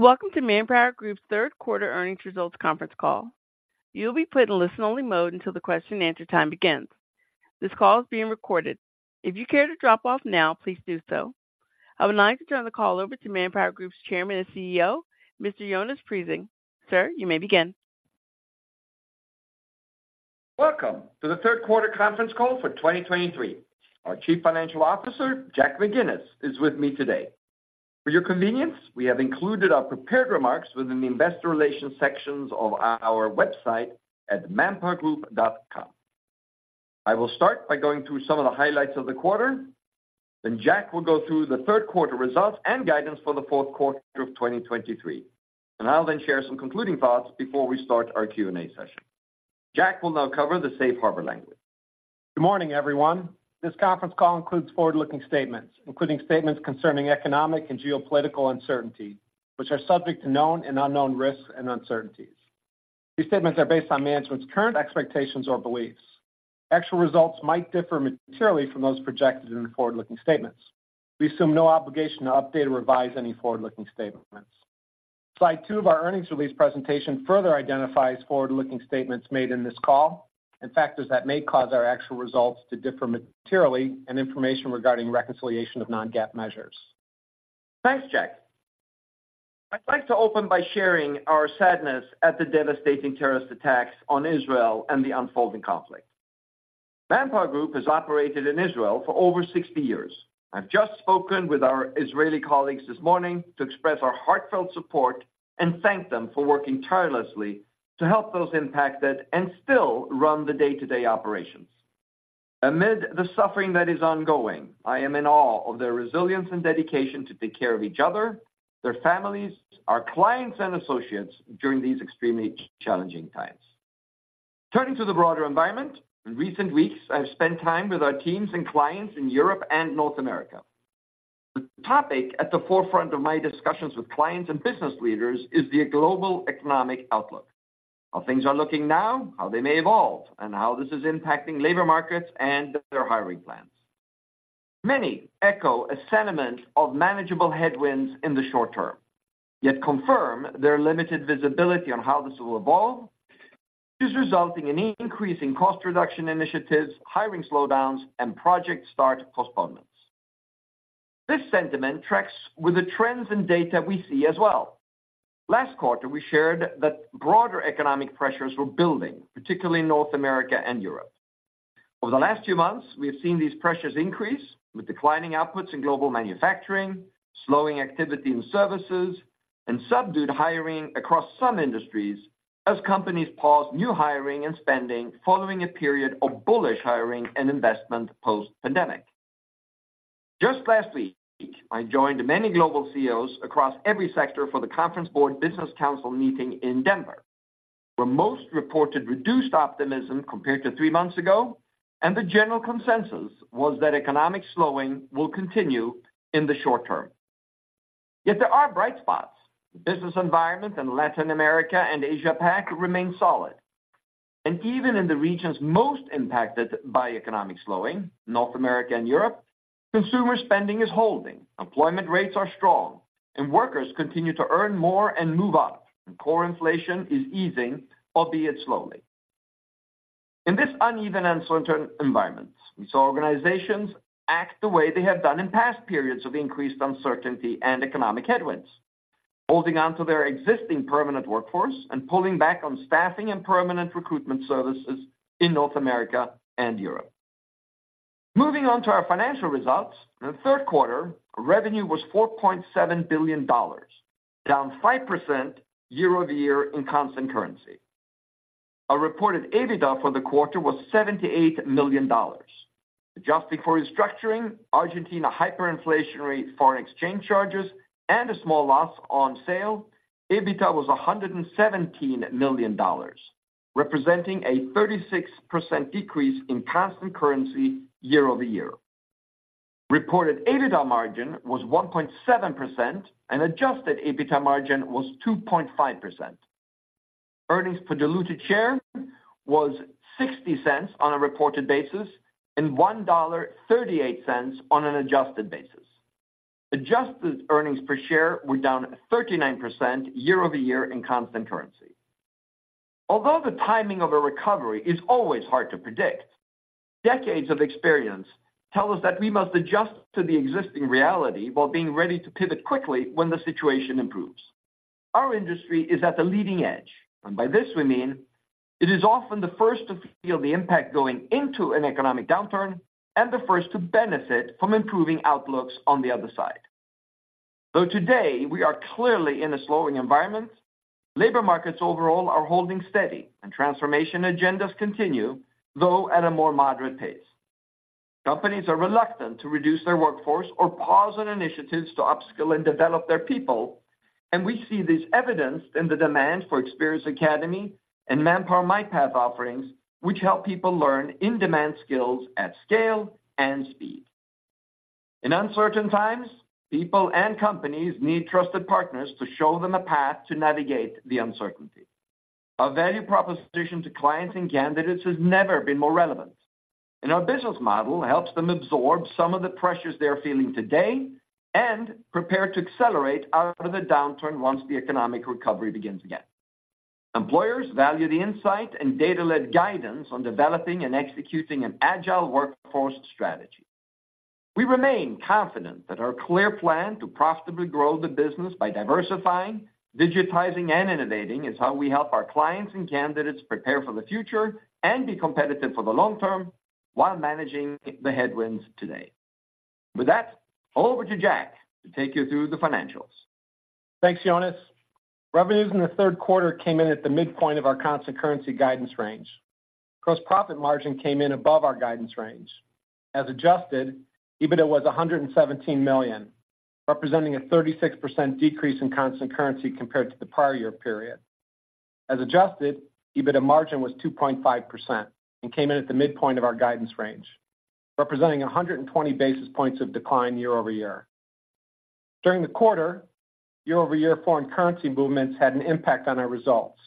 Welcome to ManpowerGroup's Q3 Earnings Results Conference Call. You'll be put in listen-only mode until the question and answer time begins. This call is being recorded. If you care to drop off now, please do so. I would like to turn the call over to ManpowerGroup's Chairman and CEO, Mr. Jonas Prising. Sir, you may begin. Welcome to the Q3 conference call for 2023. Our Chief Financial Officer, Jack McGinnis, is with me today. For your convenience, we have included our prepared remarks within the Investor Relations sections of our website at ManpowerGroup.com. I will start by going through some of the highlights of the quarter, then Jack will go through the Q3 results and guidance for the Q4 of 2023. I'll then share some concluding thoughts before we start our Q&A session. Jack will now cover the safe harbor language. Good morning, everyone. This conference call includes forward-looking statements, including statements concerning economic and geopolitical uncertainty, which are subject to known and unknown risks and uncertainties. These statements are based on management's current expectations or beliefs. Actual results might differ materially from those projected in the forward-looking statements. We assume no obligation to update or revise any forward-looking statements. Slide two of our earnings release presentation further identifies forward-looking statements made in this call, and factors that may cause our actual results to differ materially, and information regarding reconciliation of non-GAAP measures. Thanks, Jack. I'd like to open by sharing our sadness at the devastating terrorist attacks on Israel and the unfolding conflict. ManpowerGroup has operated in Israel for over 60 years. I've just spoken with our Israeli colleagues this morning to express our heartfelt support and thank them for working tirelessly to help those impacted and still run the day-to-day operations. Amid the suffering that is ongoing, I am in awe of their resilience and dedication to take care of each other, their families, our clients, and associates during these extremely challenging times. Turning to the broader environment, in recent weeks, I've spent time with our teams and clients in Europe and North America. The topic at the forefront of my discussions with clients and business leaders is the global economic outlook. How things are looking now, how they may evolve, and how this is impacting labor markets and their hiring plans. Many echo a sentiment of manageable headwinds in the short term, yet confirm their limited visibility on how this will evolve is resulting in increasing cost reduction initiatives, hiring slowdowns, and project start postponements. This sentiment tracks with the trends and data we see as well. Last quarter, we shared that broader economic pressures were building, particularly in North America and Europe. Over the last two months, we have seen these pressures increase, with declining outputs in global manufacturing, slowing activity in services, and subdued hiring across some industries as companies pause new hiring and spending following a period of bullish hiring and investment post-pandemic. Just last week, I joined many global CEOs across every sector for the Conference Board Business Council meeting in Denver, where most reported reduced optimism compared to three months ago, and the general consensus was that economic slowing will continue in the short term. Yet there are bright spots. Business environment in Latin America and Asia-Pac remain solid. Even in the regions most impacted by economic slowing, North America and Europe, consumer spending is holding, employment rates are strong, and workers continue to earn more and move up, and core inflation is easing, albeit slowly. In this uneven and uncertain environment, we saw organizations act the way they have done in past periods of increased uncertainty and economic headwinds, holding on to their existing permanent workforce and pulling back on staffing and permanent recruitment services in North America and Europe. Moving on to our financial results. In the Q3, revenue was $4.7 billion, down 5% year-over-year in constant currency. Our reported EBITDA for the quarter was $78 million. Adjusting for restructuring, Argentina hyperinflationary foreign exchange charges, and a small loss on sale, EBITDA was $117 million, representing a 36% decrease in constant currency year-over-year. Reported EBITDA margin was 1.7%, and adjusted EBITDA margin was 2.5%. Earnings per diluted share was $0.60 on a reported basis and $1.38 on an adjusted basis. Adjusted earnings per share were down 39% year-over-year in constant currency. Although the timing of a recovery is always hard to predict, decades of experience tell us that we must adjust to the existing reality while being ready to pivot quickly when the situation improves. Our industry is at the leading edge, and by this we mean it is often the first to feel the impact going into an economic downturn and the first to benefit from improving outlooks on the other side. Though today we are clearly in a slowing environment, labor markets overall are holding steady, and transformation agendas continue, though at a more moderate pace. Companies are reluctant to reduce their workforce or pause on initiatives to upskill and develop their people, and we see this evidenced in the demand for Experis Academy and Manpower MyPath offerings, which help people learn in-demand skills at scale and speed. In uncertain times, people and companies need trusted partners to show them a path to navigate the uncertainty.... Our value proposition to clients and candidates has never been more relevant, and our business model helps them absorb some of the pressures they are feeling today and prepare to accelerate out of the downturn once the economic recovery begins again. Employers value the insight and data-led guidance on developing and executing an agile workforce strategy. We remain confident that our clear plan to profitably grow the business by diversifying, digitizing, and innovating is how we help our clients and candidates prepare for the future and be competitive for the long term, while managing the headwinds today. With that, over to Jack to take you through the financials. Thanks, Jonas. Revenues in the Q3 came in at the midpoint of our constant currency guidance range. Gross profit margin came in above our guidance range. As adjusted, EBITDA was $117 million, representing a 36% decrease in constant currency compared to the prior year period. As adjusted, EBITDA margin was 2.5% and came in at the midpoint of our guidance range, representing 120 basis points of decline year-over-year. During the quarter, year-over-year foreign currency movements had an impact on our results.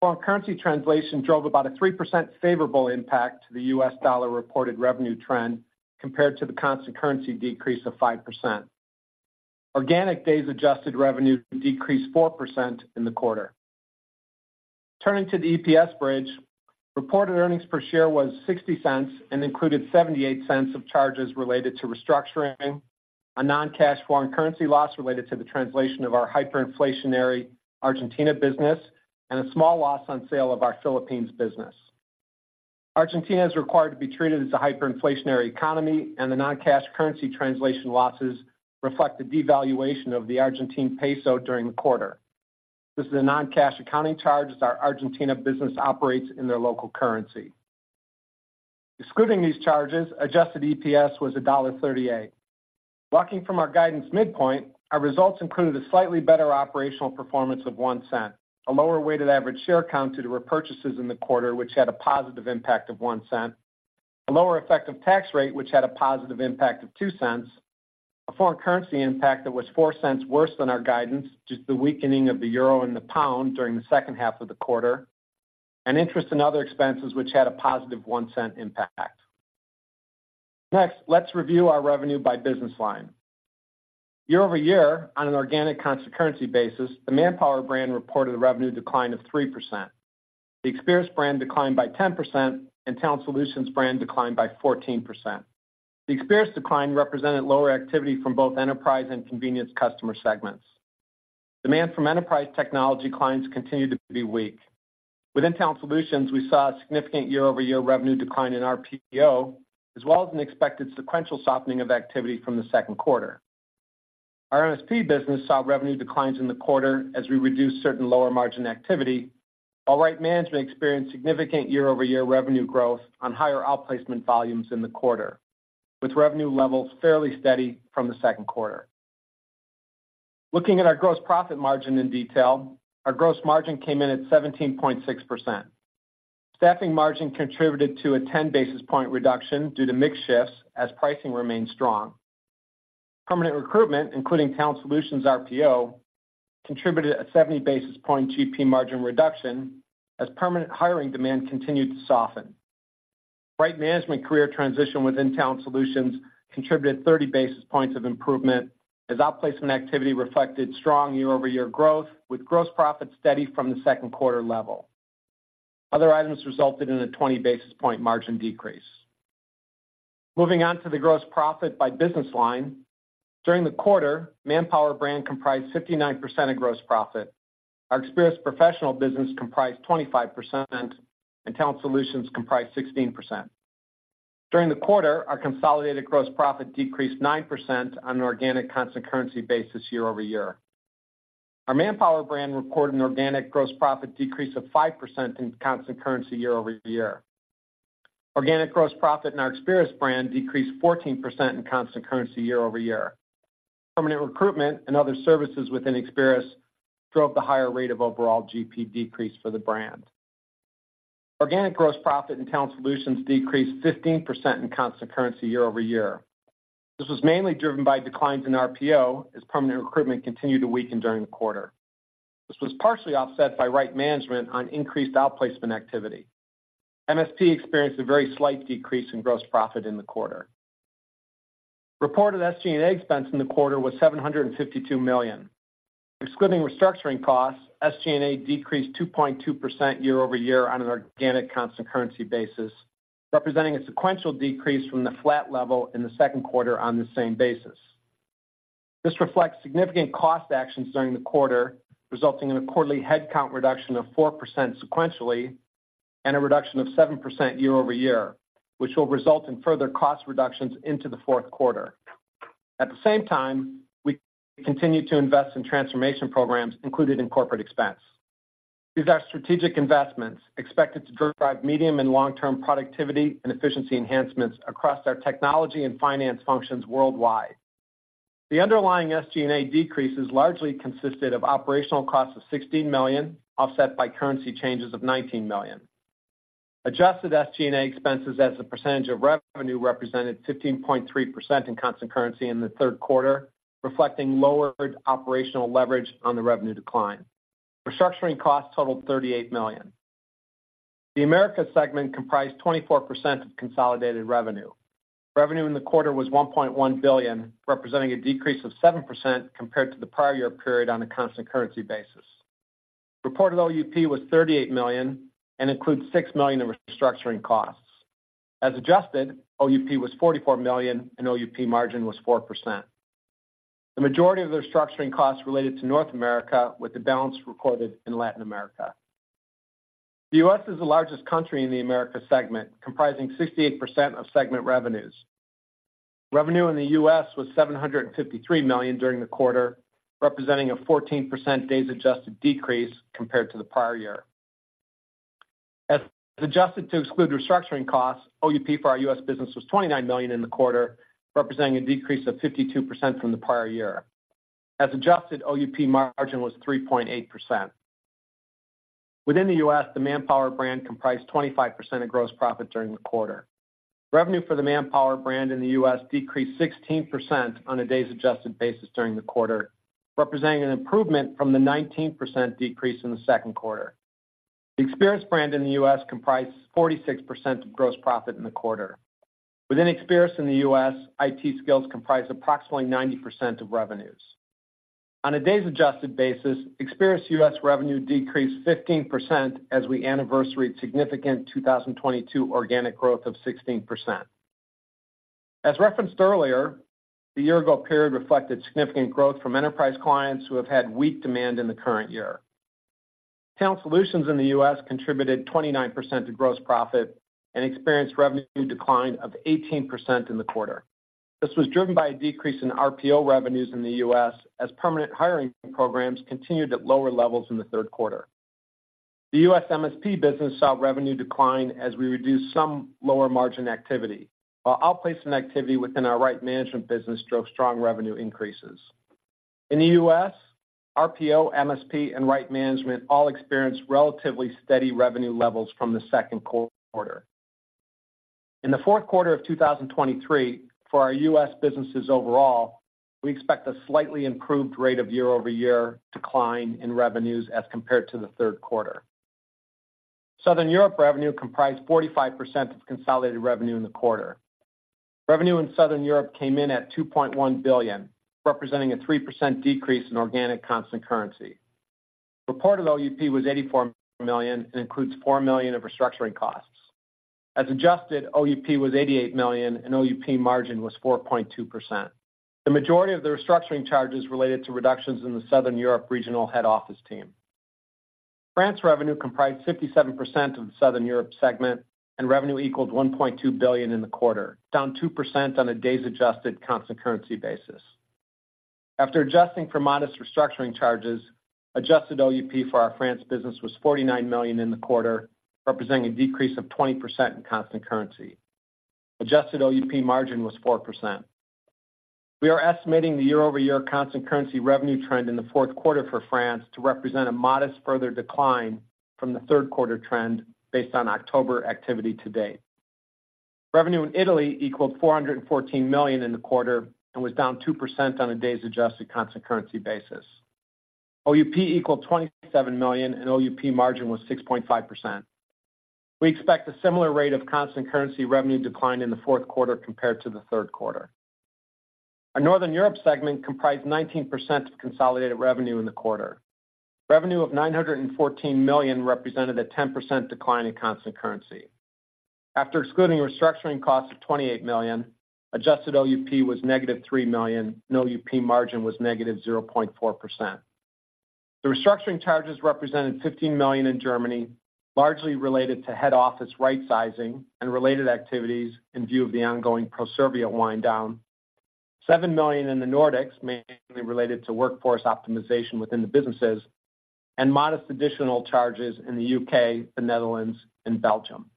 Foreign currency translation drove about a 3% favorable impact to the U.S. dollar reported revenue trend compared to the constant currency decrease of 5%. Organic days adjusted revenue decreased 4% in the quarter. Turning to the EPS bridge. Reported earnings per share was $0.60 and included $0.78 of charges related to restructuring, a non-cash foreign currency loss related to the translation of our hyperinflationary Argentina business, and a small loss on sale of our Philippines business. Argentina is required to be treated as a hyperinflationary economy, and the non-cash currency translation losses reflect the devaluation of the Argentine Peso during the quarter. This is a non-cash accounting charge, as our Argentina business operates in their local currency. Excluding these charges, adjusted EPS was $1.38. Walking from our guidance midpoint, our results included a slightly better operational performance of $0.01, a lower weighted average share count due to repurchases in the quarter, which had a positive impact of $0.01, a lower effective tax rate, which had a positive impact of $0.02, a foreign currency impact that was $0.04 worse than our guidance, due to the weakening of the euro and the pound during the second half of the quarter, and interest and other expenses, which had a positive $0.01 impact. Next, let's review our revenue by business line. Year-over-year, on an organic constant currency basis, the Manpower brand reported a revenue decline of 3%. The Experis brand declined by 10%, and Talent Solutions brand declined by 14%. The Experis decline represented lower activity from both enterprise and convenience customer segments. Demand from enterprise technology clients continued to be weak. Within Talent Solutions, we saw a significant year-over-year revenue decline in RPO, as well as an expected sequential softening of activity from the Q2. Our MSP business saw revenue declines in the quarter as we reduced certain lower margin activity, while Right Management experienced significant year-over-year revenue growth on higher outplacement volumes in the quarter, with revenue levels fairly steady from the Q2. Looking at our gross profit margin in detail, our gross margin came in at 17.6%. Staffing margin contributed to a 10 basis point reduction due to mix shifts as pricing remained strong. Permanent recruitment, including Talent Solutions RPO, contributed a 70 basis point GP margin reduction as permanent hiring demand continued to soften. Right Management career transition within Talent Solutions contributed 30 basis points of improvement, as outplacement activity reflected strong year-over-year growth, with gross profit steady from the Q2 level. Other items resulted in a 20 basis points margin decrease. Moving on to the gross profit by business line. During the quarter, Manpower brand comprised 59% of gross profit. Our Experis professional business comprised 25%, and Talent Solutions comprised 16%. During the quarter, our consolidated gross profit decreased 9% on an organic constant-currency basis year-over-year. Our Manpower brand reported an organic gross profit decrease of 5% in constant-currency year-over-year. Organic gross profit in our Experis brand decreased 14% in constant-currency year-over-year. Permanent recruitment and other services within Experis drove the higher rate of overall GP decrease for the brand. Organic gross profit in Talent Solutions decreased 15% in constant currency year-over-year. This was mainly driven by declines in RPO, as permanent recruitment continued to weaken during the quarter. This was partially offset by Right Management on increased outplacement activity. MSP experienced a very slight decrease in gross profit in the quarter. Reported SG&A expense in the quarter was $752 million. Excluding restructuring costs, SG&A decreased 2.2% year-over-year on an organic constant currency basis, representing a sequential decrease from the flat level in the Q2 on the same basis. This reflects significant cost actions during the quarter, resulting in a quarterly headcount reduction of 4% sequentially, and a reduction of 7% year-over-year, which will result in further cost reductions into the Q4. At the same time, we continue to invest in transformation programs included in corporate expense. These are strategic investments expected to drive medium and long-term productivity and efficiency enhancements across our technology and finance functions worldwide. The underlying SG&A decreases largely consisted of operational costs of $16 million, offset by currency changes of $19 million. Adjusted SG&A expenses as a percentage of revenue represented 15.3% in constant currency in the Q3, reflecting lower operational leverage on the revenue decline. Restructuring costs totaled $38 million. The Americas segment comprised 24% of consolidated revenue. Revenue in the quarter was $1.1 billion, representing a decrease of 7% compared to the prior year period on a constant currency basis. Reported OUP was $38 million and includes $6 million in restructuring costs. As adjusted, OUP was $44 million, and OUP margin was 4%. The majority of the restructuring costs related to North America, with the balance recorded in Latin America. The U.S. is the largest country in the Americas segment, comprising 68% of segment revenues. Revenue in the U.S. was $753 million during the quarter, representing a 14% days adjusted decrease compared to the prior year. As adjusted to exclude restructuring costs, OUP for our U.S. business was $29 million in the quarter, representing a decrease of 52% from the prior year. As adjusted, OUP margin was 3.8%. Within the U.S., the Manpower brand comprised 25% of gross profit during the quarter. Revenue for the Manpower brand in the U.S. decreased 16% on a days adjusted basis during the quarter, representing an improvement from the 19% decrease in the Q2. The Experis brand in the U.S. comprised 46% of gross profit in the quarter. Within Experis in the U.S., IT Skills comprised approximately 90% of revenues. On a days adjusted basis, Experis U.S. revenue decreased 15% as we anniversaried significant 2022 organic growth of 16%. As referenced earlier, the year-ago period reflected significant growth from enterprise clients who have had weak demand in the current year. Talent Solutions in the U.S. contributed 29% to gross profit and experienced revenue decline of 18% in the quarter. This was driven by a decrease in RPO revenues in the U.S. as permanent hiring programs continued at lower levels in the Q3. The U.S. MSP business saw revenue decline as we reduced some lower margin activity, while outplacement activity within our Right Management business drove strong revenue increases. In the U.S., RPO, MSP, and Right Management all experienced relatively steady revenue levels from the Q2. In the Q4 of 2023, for our U.S. businesses overall, we expect a slightly improved rate of year-over-year decline in revenues as compared to the Q3. Southern Europe revenue comprised 45% of consolidated revenue in the quarter. Revenue in Southern Europe came in at $2.1 billion, representing a 3% decrease in organic constant currency. Reported OUP was $84 million and includes $4 million of restructuring costs. As adjusted, OUP was $88 million, and OUP margin was 4.2%. The majority of the restructuring charges related to reductions in the Southern Europe regional head office team. France revenue comprised 57% of the Southern Europe segment, and revenue equaled 1.2 billion in the quarter, down 2% on a days adjusted constant currency basis. After adjusting for modest restructuring charges, adjusted OUP for our France business was 49 million in the quarter, representing a decrease of 20% in constant currency. Adjusted OUP margin was 4%. We are estimating the year-over-year constant currency revenue trend in the Q4 for France to represent a modest further decline from the Q3 trend based on October activity to date. Revenue in Italy equaled 414 million in the quarter and was down 2% on a days adjusted constant currency basis. OUP equaled 27 million and OUP margin was 6.5%. We expect a similar rate of constant currency revenue decline in the Q4 compared to the Q3. Our Northern Europe segment comprised 19% of consolidated revenue in the quarter. Revenue of $914 million represented a 10% decline in constant currency. After excluding restructuring costs of $28 million, adjusted OUP was -$3 million, and OUP margin was -0.4%. The restructuring charges represented $15 million in Germany, largely related to head office rightsizing and related activities in view of the ongoing Proservia wind down. $7 million in the Nordics, mainly related to workforce optimization within the businesses, and modest additional charges in the U.K., the Netherlands and Belgium.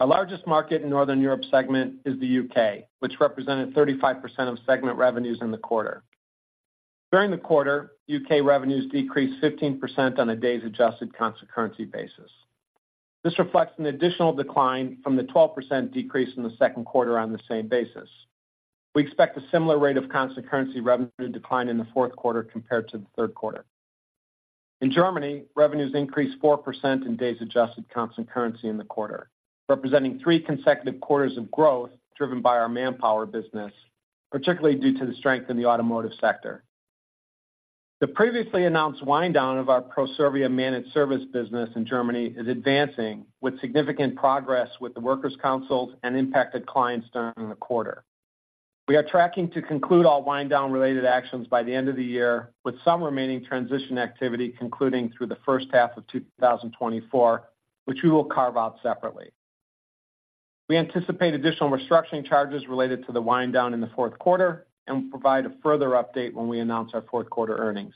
Our largest market in Northern Europe segment is the U.K., which represented 35% of segment revenues in the quarter. During the quarter, U.K. revenues decreased 15% on a days adjusted constant currency basis. This reflects an additional decline from the 12% decrease in the Q2 on the same basis. We expect a similar rate of constant currency revenue decline in the Q4 compared to the Q3. In Germany, revenues increased 4% in days adjusted constant currency in the quarter, representing 3 consecutive quarters of growth driven by our Manpower business, particularly due to the strength in the automotive sector. The previously announced wind down of our Proservia managed service business in Germany is advancing with significant progress with the works councils and impacted clients during the quarter. We are tracking to conclude all wind down related actions by the end of the year, with some remaining transition activity concluding through the H1 of 2024, which we will carve out separately. We anticipate additional restructuring charges related to the wind down in the Q4 and will provide a further update when we announce our Q4 earnings.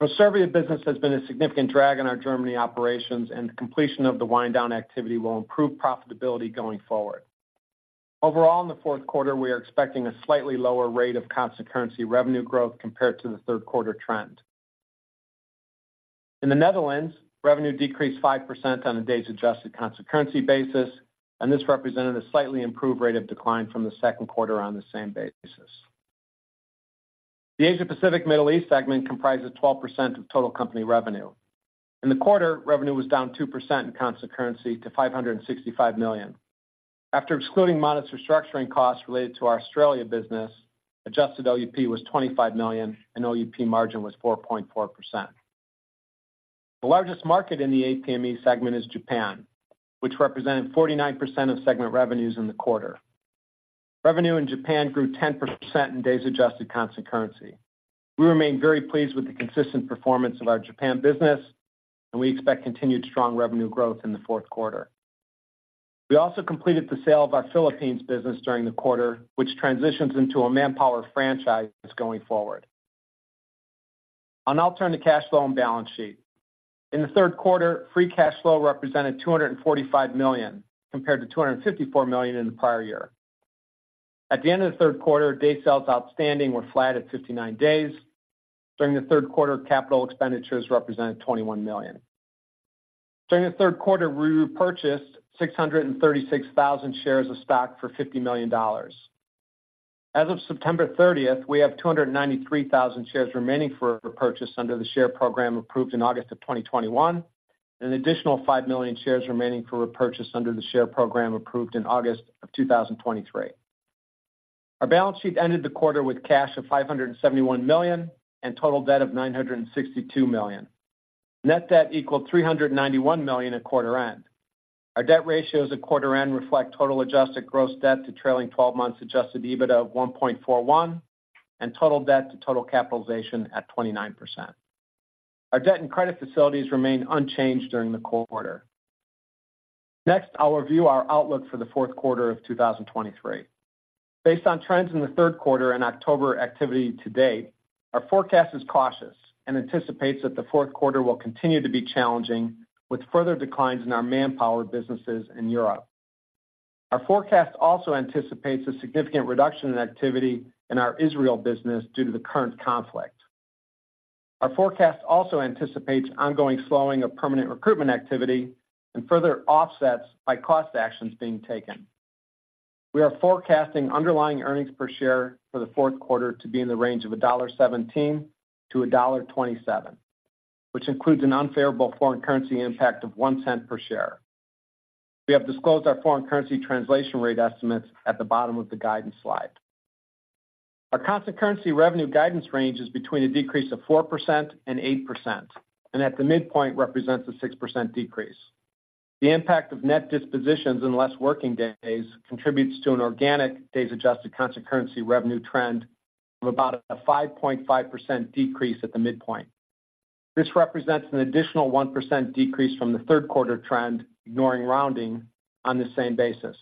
Proservia business has been a significant drag on our Germany operations, and the completion of the wind down activity will improve profitability going forward. Overall, in the Q4, we are expecting a slightly lower rate of constant currency revenue growth compared to the Q3 trend. In the Netherlands, revenue decreased 5% on a days-adjusted constant currency basis, and this represented a slightly improved rate of decline from the Q2 on the same basis. The Asia Pacific Middle East segment comprises 12% of total company revenue. In the quarter, revenue was down 2% in constant currency to $565 million. After excluding modest restructuring costs related to our Australia business, adjusted OUP was $25 million, and OUP margin was 4.4%. The largest market in the APME segment is Japan, which represented 49% of segment revenues in the quarter. Revenue in Japan grew 10% in days-adjusted constant currency. We remain very pleased with the consistent performance of our Japan business, and we expect continued strong revenue growth in the Q4. We also completed the sale of our Philippines business during the quarter, which transitions into a Manpower franchise going forward. I'll now turn to cash flow and balance sheet. In the Q3, free cash flow represented $245 million, compared to $254 million in the prior year. At the end of the Q3, days sales outstanding were flat at 59 days. During the Q3, capital expenditures represented $21 million. During the Q3, we repurchased 636,000 shares of stock for $50 million. As of September 30th, we have 293,000 shares remaining for repurchase under the share program approved in August 2021, and an additional 5 million shares remaining for repurchase under the share program approved in August 2023. Our balance sheet ended the quarter with cash of $571 million and total debt of $962 million. Net debt equaled $391 million at quarter end. Our debt ratios at quarter end reflect total adjusted gross debt to trailing twelve months adjusted EBITDA of 1.41, and total debt to total capitalization at 29%. Our debt and credit facilities remained unchanged during the quarter. Next, I'll review our outlook for the Q4 of 2023. Based on trends in the Q3 and October activity to date, our forecast is cautious and anticipates that the Q4 will continue to be challenging, with further declines in our Manpower businesses in Europe. Our forecast also anticipates a significant reduction in activity in our Israel business due to the current conflict. Our forecast also anticipates ongoing slowing of permanent recruitment activity and further offsets by cost actions being taken. We are forecasting underlying earnings per share for the Q4 to be in the range of $1.17-$1.27, which includes an unfavorable foreign currency impact of $0.01 per share. We have disclosed our foreign currency translation rate estimates at the bottom of the guidance slide. Our constant currency revenue guidance range is between a decrease of 4% and 8%, and at the midpoint represents a 6% decrease. The impact of net dispositions and less working days contributes to an organic days adjusted constant currency revenue trend of about a 5.5% decrease at the midpoint. This represents an additional 1% decrease from the Q3 trend, ignoring rounding on the same basis.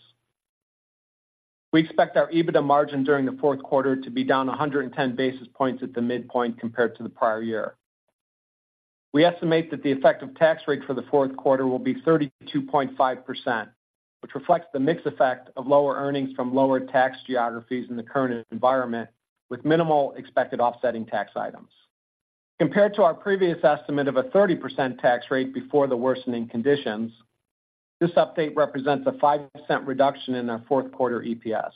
We expect our EBITDA margin during the Q4 to be down 110 basis points at the midpoint compared to the prior year. We estimate that the effective tax rate for the Q4 will be 32.5%, which reflects the mix effect of lower earnings from lower tax geographies in the current environment, with minimal expected offsetting tax items. Compared to our previous estimate of a 30% tax rate before the worsening conditions, this update represents a 5% reduction in our Q4 EPS.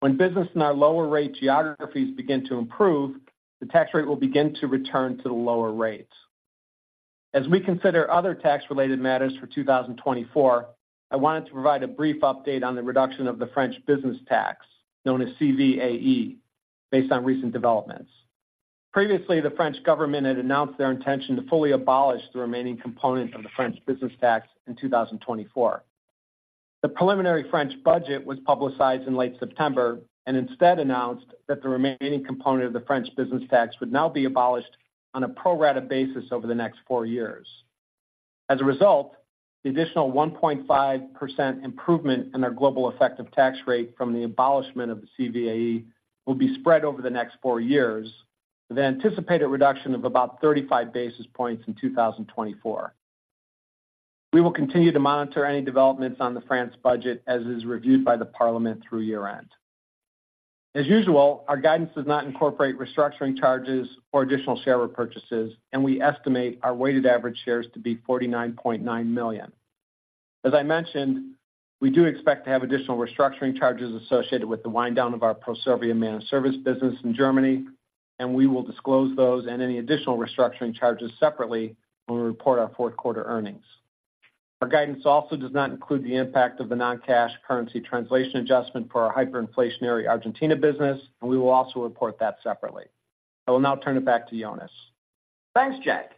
When business in our lower rate geographies begin to improve, the tax rate will begin to return to the lower rates. As we consider other tax-related matters for 2024, I wanted to provide a brief update on the reduction of the French business tax, known as CVAE, based on recent developments. Previously, the French government had announced their intention to fully abolish the remaining component of the French business tax in 2024. The preliminary French budget was publicized in late September and instead announced that the remaining component of the French business tax would now be abolished on a pro-rata basis over the next four years. As a result, the additional 1.5% improvement in our global effective tax rate from the abolishment of the CVAE will be spread over the next four years, with an anticipated reduction of about 35 basis points in 2024. We will continue to monitor any developments on the France budget, as is reviewed by the Parliament through year-end. As usual, our guidance does not incorporate restructuring charges or additional share repurchases, and we estimate our weighted average shares to be 49.9 million. As I mentioned, we do expect to have additional restructuring charges associated with the wind down of our Proservia managed service business in Germany, and we will disclose those and any additional restructuring charges separately when we report our Q4 earnings. Our guidance also does not include the impact of the non-cash currency translation adjustment for our hyperinflationary Argentina business, and we will also report that separately. I will now turn it back to Jonas. Thanks, Jack.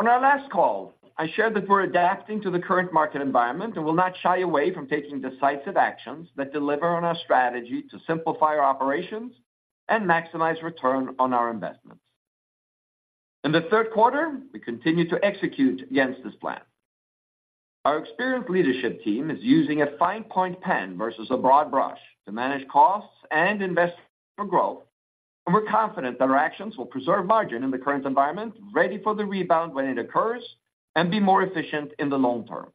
On our last call, I shared that we're adapting to the current market environment and will not shy away from taking decisive actions that deliver on our strategy to simplify our operations and maximize return on our investments. In the Q3, we continued to execute against this plan. Our experienced leadership team is using a fine-point pen versus a broad brush to manage costs and invest for growth. And we're confident that our actions will preserve margin in the current environment, ready for the rebound when it occurs, and be more efficient in the long term.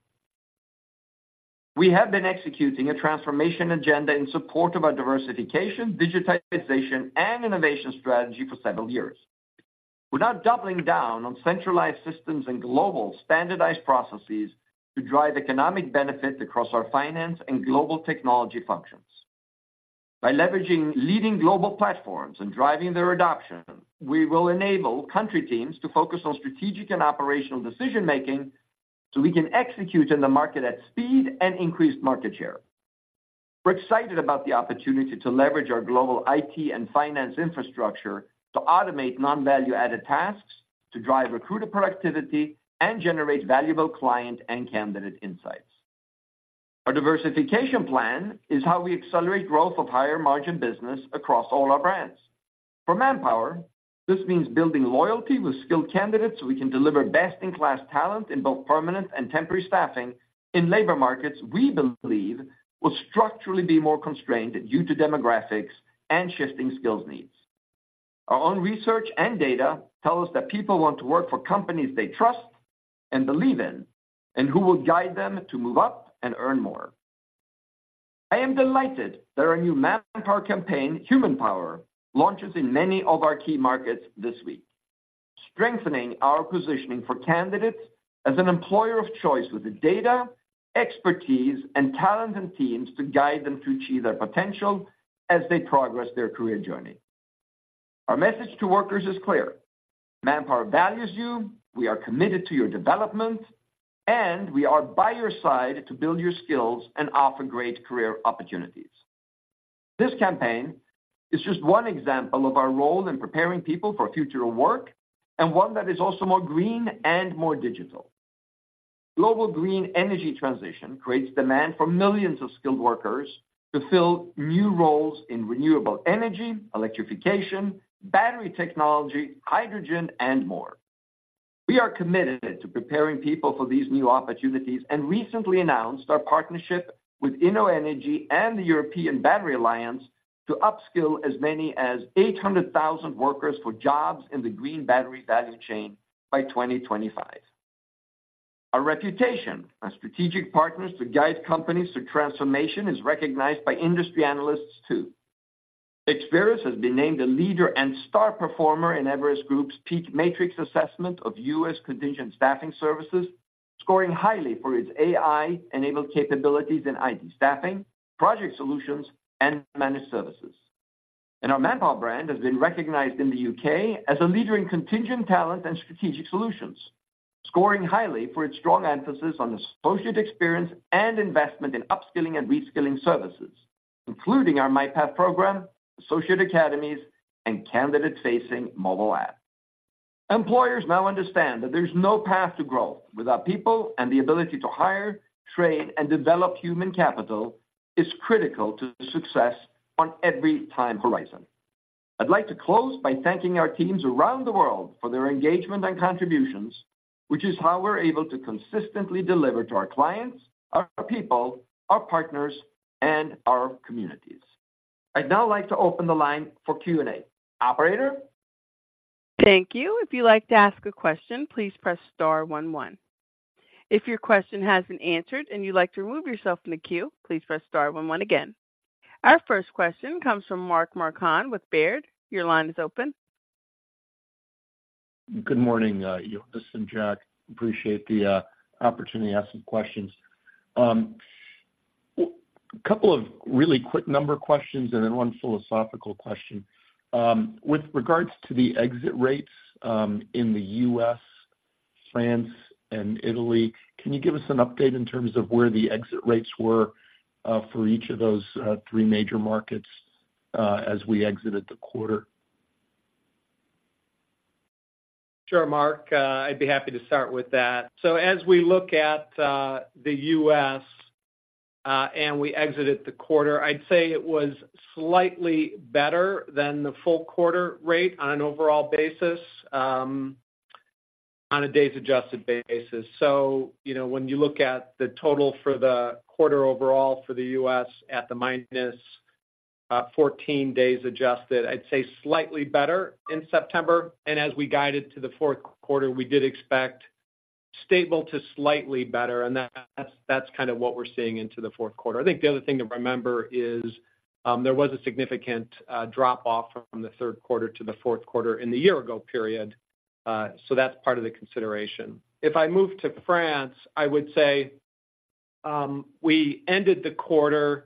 We have been executing a transformation agenda in support of our diversification, digitization, and innovation strategy for several years. We're now doubling down on centralized systems and global standardized processes to drive economic benefit across our finance and global technology functions. By leveraging leading global platforms and driving their adoption, we will enable country teams to focus on strategic and operational decision making, so we can execute in the market at speed and increase market share. We're excited about the opportunity to leverage our global IT and finance infrastructure to automate non-value-added tasks, to drive recruiter productivity, and generate valuable client and candidate insights. Our diversification plan is how we accelerate growth of higher margin business across all our brands. For Manpower, this means building loyalty with skilled candidates, so we can deliver best-in-class talent in both permanent and temporary staffing in labor markets we believe will structurally be more constrained due to demographics and shifting skills needs. Our own research and data tell us that people want to work for companies they trust and believe in, and who will guide them to move up and earn more. I am delighted that our new Manpower campaign, Human Power, launches in many of our key markets this week, strengthening our positioning for candidates as an employer of choice with the data, expertise, and talent, and teams to guide them to achieve their potential as they progress their career journey. Our message to workers is clear: Manpower values you, we are committed to your development, and we are by your side to build your skills and offer great career opportunities. This campaign is just one example of our role in preparing people for a future of work, and one that is also more green and more digital. Global green energy transition creates demand for millions of skilled workers to fill new roles in renewable energy, electrification, battery technology, hydrogen, and more. We are committed to preparing people for these new opportunities, and recently announced our partnership with InnoEnergy and the European Battery Alliance to upskill as many as 800,000 workers for jobs in the green battery value chain by 2025. Our reputation as strategic partners to guide companies through transformation is recognized by industry analysts, too. Experis has been named a leader and star performer in Everest Group's PEAK Matrix assessment of U.S. contingent staffing services, scoring highly for its AI-enabled capabilities in IT staffing, project solutions, and managed services. Our Manpower brand has been recognized in the U.K. as a leader in contingent talent and strategic solutions, scoring highly for its strong emphasis on associate experience and investment in upskilling and reskilling services, including our MyPath program, Associate Academies, and candidate-facing mobile app. Employers now understand that there's no path to growth without people, and the ability to hire, train, and develop human capital is critical to success on every time horizon. I'd like to close by thanking our teams around the world for their engagement and contributions, which is how we're able to consistently deliver to our clients, our people, our partners, and our communities. I'd now like to open the line for Q&A. Operator? Thank you. If you'd like to ask a question, please press star one, one. If your question has been answered and you'd like to remove yourself from the queue, please press star one, one again. Our first question comes from Mark Marcon with Baird. Your line is open. Good morning, Jonas and Jack. Appreciate the opportunity to ask some questions. A couple of really quick number questions, and then one philosophical question. With regards to the exit rates in the U.S., France, and Italy, can you give us an update in terms of where the exit rates were for each of those three major markets as we exited the quarter? Sure, Mark, I'd be happy to start with that. So as we look at the U.S., and we exited the quarter, I'd say it was slightly better than the full quarter rate on an overall basis, on a Days Adjusted basis. So, you know, when you look at the total for the quarter overall for the U.S. at the minus 14 Days Adjusted, I'd say slightly better in September, and as we guided to the Q4, we did expect stable to slightly better, and that's, that's kind of what we're seeing into the Q4. I think the other thing to remember is, there was a significant drop-off from the Q3 to the Q4 in the year-ago period, so that's part of the consideration. If I move to France, I would say, we ended the quarter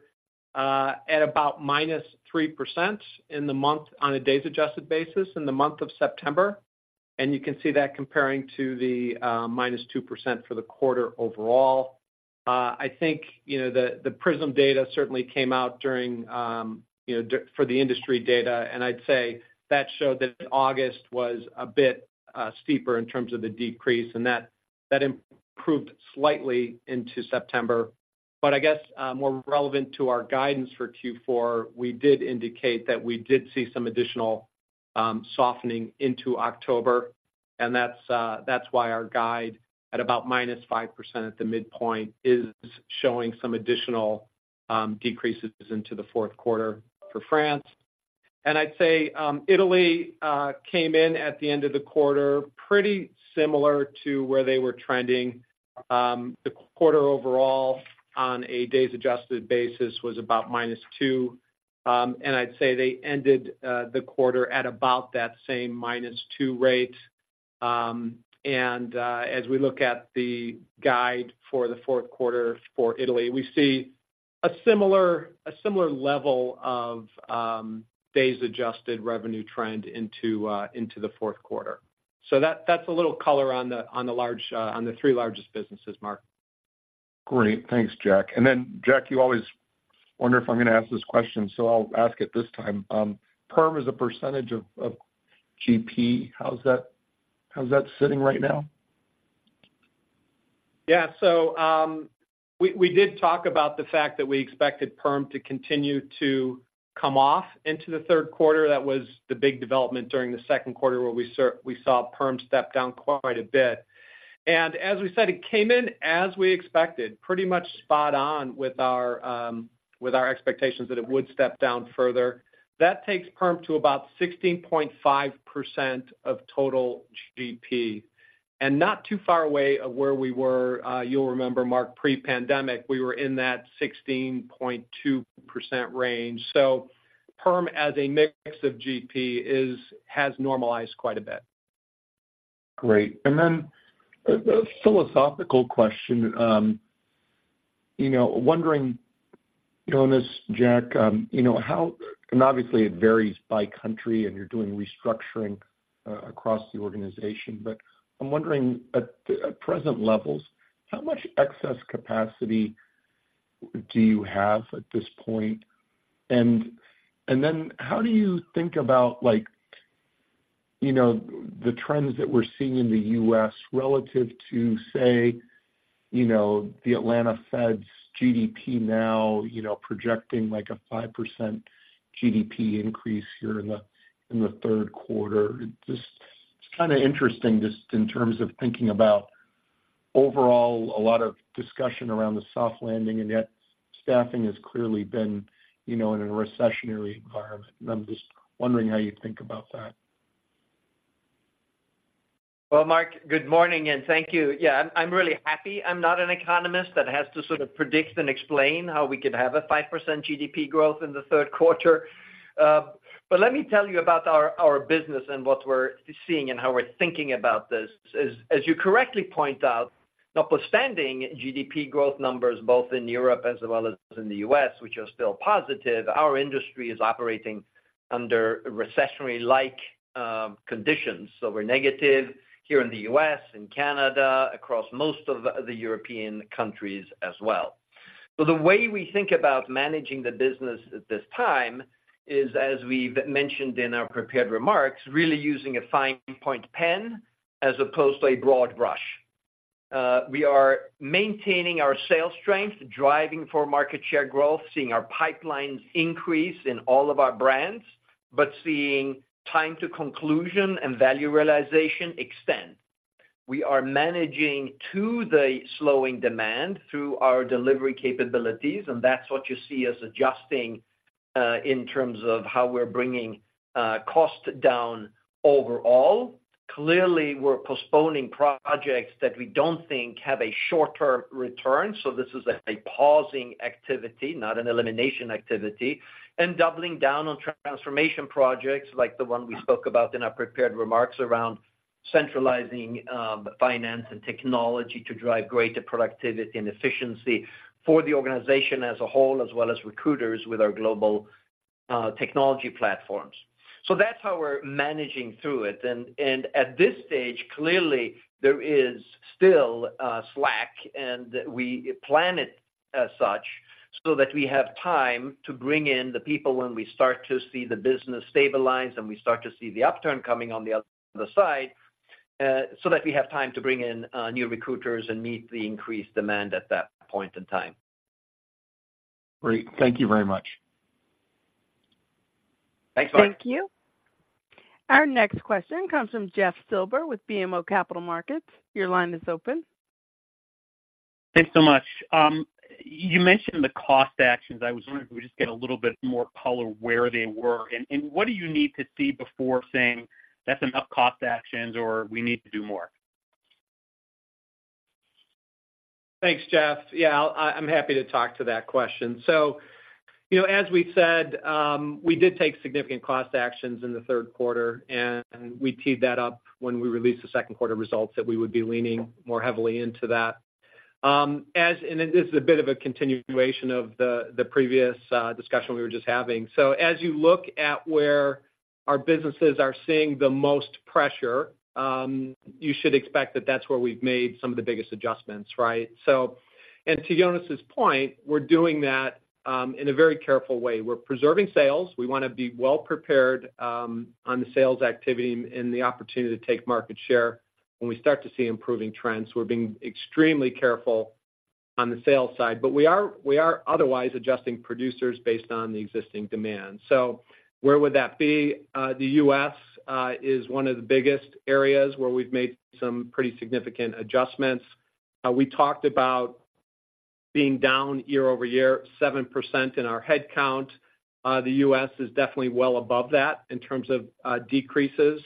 at about -3% in the month on a Days-Adjusted basis in the month of September, and you can see that comparing to the -2% for the quarter overall. I think, you know, the Prism data certainly came out during, you know, for the industry data, and I'd say that showed that August was a bit steeper in terms of the decrease, and that improved slightly into September. But I guess, more relevant to our guidance for Q4, we did indicate that we did see some additional softening into October, and that's why our guide at about -5% at the midpoint is showing some additional decreases into the Q4 for France. And I'd say, Italy, came in at the end of the quarter, pretty similar to where they were trending. The quarter overall, on a days adjusted basis, was about -2. And I'd say they ended, the quarter at about that same minus 2 rate. And, as we look at the guide for the Q4 for Italy, we see a similar, a similar level of, Days-Adjusted revenue trend into, into the Q4. So that's a little color on the, on the large, on the three largest businesses, Mark. Great. Thanks, Jack. And then, Jack, you always wonder if I'm gonna ask this question, so I'll ask it this time. Perm, as a percentage of, of GP, how's that, how's that sitting right now? Yeah. So, we did talk about the fact that we expected perm to continue to come off into the Q3. That was the big development during the Q2, where we saw perm step down quite a bit. And as we said, it came in as we expected, pretty much spot on with our expectations that it would step down further. That takes perm to about 16.5% of total GP, and not too far away of where we were, you'll remember, Mark, pre-pandemic, we were in that 16.2% range. So Perm, as a mix of GP, has normalized quite a bit. Great. And then a philosophical question. You know, wondering, Jonas, Jack, you know how, and obviously, it varies by country, and you're doing restructuring across the organization. But I'm wondering, at present levels, how much excess capacity do you have at this point? And then how do you think about, like, you know, the trends that we're seeing in the U.S. relative to, say, you know, the Atlanta Fed's GDP now, you know, projecting, like, a 5% GDP increase here in the Q3? Just, it's kind of interesting just in terms of thinking about, overall, a lot of discussion around the soft landing, and yet staffing has clearly been, you know, in a recessionary environment. And I'm just wondering how you think about that. Well, Mark, good morning, and thank you. Yeah, I'm, I'm really happy I'm not an economist that has to sort of predict and explain how we could have a 5% GDP growth in the Q3. But let me tell you about our, our business and what we're seeing and how we're thinking about this. As, as you correctly point out, notwithstanding GDP growth numbers, both in Europe as well as in the U.S., which are still positive, our industry is operating under recessionary-like conditions. So we're negative here in the U.S., in Canada, across most of the European countries as well. So the way we think about managing the business at this time is, as we've mentioned in our prepared remarks, really using a fine-point pen as opposed to a broad brush. We are maintaining our sales strength, driving for market share growth, seeing our pipelines increase in all of our brands, but seeing time to conclusion and value realization extend. We are managing to the slowing demand through our delivery capabilities, and that's what you see us adjusting in terms of how we're bringing costs down overall. Clearly, we're postponing projects that we don't think have a short-term return, so this is a pausing activity, not an elimination activity, and doubling down on transformation projects, like the one we spoke about in our prepared remarks, around centralizing finance and technology to drive greater productivity and efficiency for the organization as a whole, as well as recruiters with our global technology platforms. So that's how we're managing through it. At this stage, clearly, there is still slack, and we plan it as such, so that we have time to bring in the people when we start to see the business stabilize, and we start to see the upturn coming on the other side, so that we have time to bring in new recruiters and meet the increased demand at that point in time. Great. Thank you very much. Thanks, Mark. Thank you. Our next question comes from Jeff Silber with BMO Capital Markets. Your line is open. Thanks so much. You mentioned the cost actions. I was wondering if we could just get a little bit more color where they were. And what do you need to see before saying, "That's enough cost actions," or, "We need to do more? Thanks, Jeff. Yeah, I'm happy to talk to that question. So, you know, as we said, we did take significant cost actions in the Q3, and we teed that up when we released the Q2 results, that we would be leaning more heavily into that. And this is a bit of a continuation of the previous discussion we were just having. So as you look at where our businesses are seeing the most pressure, you should expect that that's where we've made some of the biggest adjustments, right? So, and to Jonas's point, we're doing that in a very careful way. We're preserving sales. We want to be well prepared on the sales activity and the opportunity to take market share when we start to see improving trends. We're being extremely careful on the sales side, but we are, we are otherwise adjusting producers based on the existing demand. So where would that be? The U.S. is one of the biggest areas where we've made some pretty significant adjustments. We talked about being down year-over-year, 7% in our headcount. The U.S. is definitely well above that in terms of, decreases.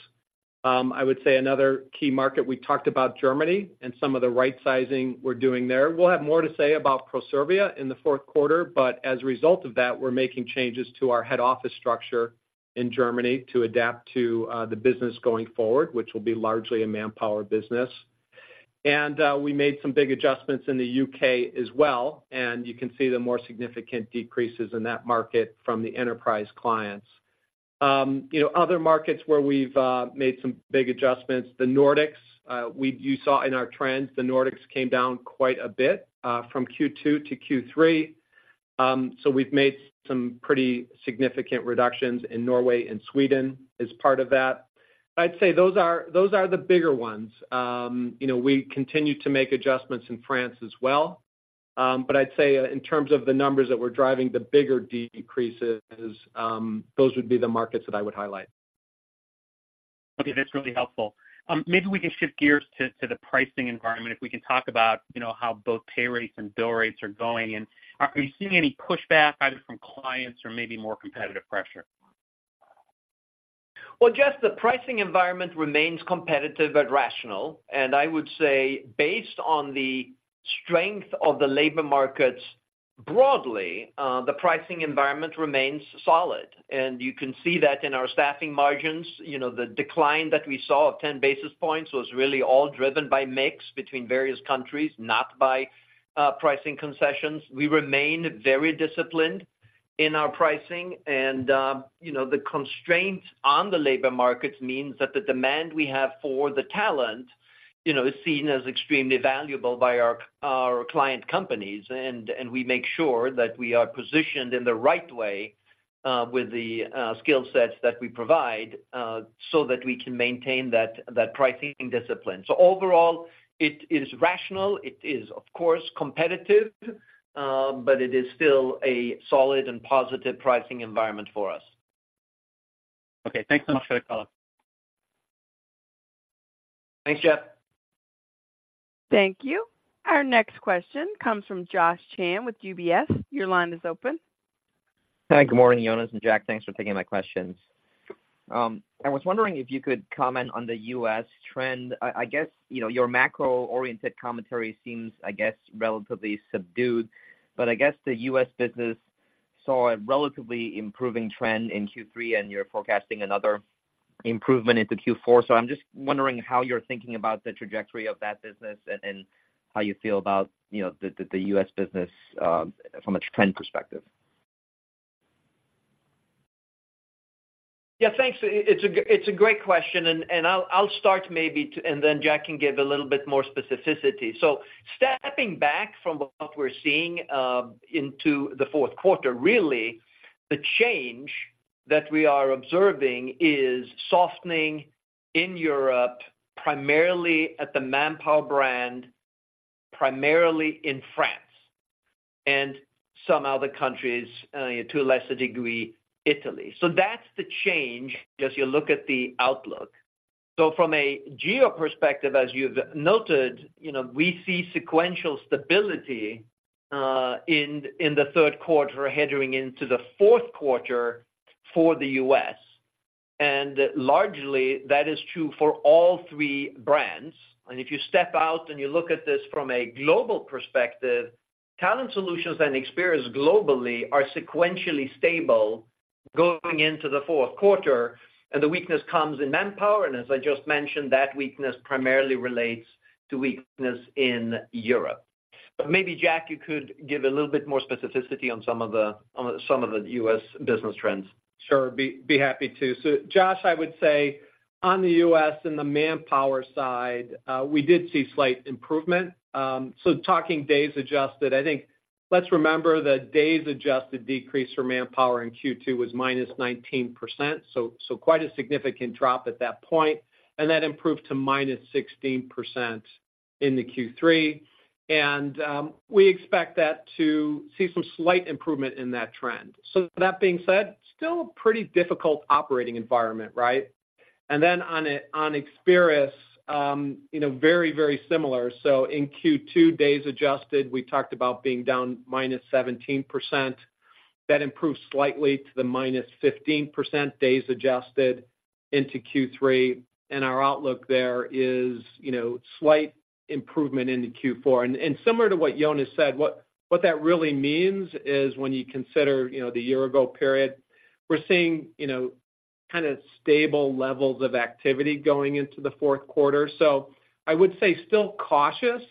I would say another key market, we talked about Germany, and some of the right sizing we're doing there. We'll have more to say about Proservia in the Q4, but as a result of that, we're making changes to our head office structure in Germany to adapt to, the business going forward, which will be largely a Manpower business. We made some big adjustments in the U.K. as well, and you can see the more significant decreases in that market from the enterprise clients. Other markets where we've made some big adjustments, the Nordics. You saw in our trends, the Nordics came down quite a bit, from Q2 to Q3. So we've made some pretty significant reductions in Norway and Sweden as part of that. I'd say those are, those are the bigger ones. We continue to make adjustments in France as well, but I'd say in terms of the numbers that we're driving, the bigger decreases, those would be the markets that I would highlight. Okay, that's really helpful. Maybe we can shift gears to the pricing environment, if we can talk about, you know, how both pay rates and bill rates are going, and are you seeing any pushback either from clients or maybe more competitive pressure? Well, Jeff, the pricing environment remains competitive but rational, and I would say, based on the strength of the labor markets, broadly, the pricing environment remains solid. And you can see that in our staffing margins, you know, the decline that we saw of 10 basis points was really all driven by mix between various countries, not by pricing concessions. We remain very disciplined in our pricing, and, you know, the constraints on the labor markets means that the demand we have for the talent, you know, is seen as extremely valuable by our client companies. And we make sure that we are positioned in the right way, with the skill sets that we provide, so that we can maintain that pricing discipline. So overall, it is rational. It is, of course, competitive, but it is still a solid and positive pricing environment for us. Okay, thanks so much for the call. Thanks, Jeff. Thank you. Our next question comes from Josh Chan with UBS. Your line is open. Hi, good morning, Jonas and Jack. Thanks for taking my questions. I was wondering if you could comment on the U.S. trend. I guess, you know, your macro-oriented commentary seems, I guess, relatively subdued, but I guess the U.S. business saw a relatively improving trend in Q3, and you're forecasting another improvement into Q4. So I'm just wondering how you're thinking about the trajectory of that business and how you feel about, you know, the U.S. business from a trend perspective. Yeah, thanks. It's a great question, and I'll start maybe, and then Jack can give a little bit more specificity. So stepping back from what we're seeing into the Q4, really, the change that we are observing is softening in Europe, primarily at the Manpower brand, primarily in France and some other countries, to a lesser degree, Italy. So that's the change as you look at the outlook. So from a geo perspective, as you've noted, you know, we see sequential stability in the Q3, heading into the Q4 for the U.S., and largely, that is true for all three brands. And if you step out and you look at this from a global perspective, Talent Solutions and Experis globally are sequentially stable going into the Q4, and the weakness comes in Manpower. As I just mentioned, that weakness primarily relates to weakness in Europe. Maybe, Jack, you could give a little bit more specificity on some of the U.S. business trends. Sure. Be happy to. So, Josh, I would say on the U.S. and the Manpower side, we did see slight improvement. So talking Days-Adjusted, I think let's remember the Days-Adjusted decrease for Manpower in Q2 was -19%, so quite a significant drop at that point, and that improved to -16% in the Q3. We expect that to see some slight improvement in that trend. So that being said, still a pretty difficult operating environment, right? And then on, on Experis, you know, very, very similar. So in Q2, Days Adjusted, we talked about being down -17%. That improved slightly to the -15%, Days Adjusted into Q3, and our outlook there is, you know, slight improvement into Q4. And similar to what Jonas said, what that really means is when you consider, you know, the year ago period, we're seeing, you know, kind of stable levels of activity going into the Q4. So I would say still cautious.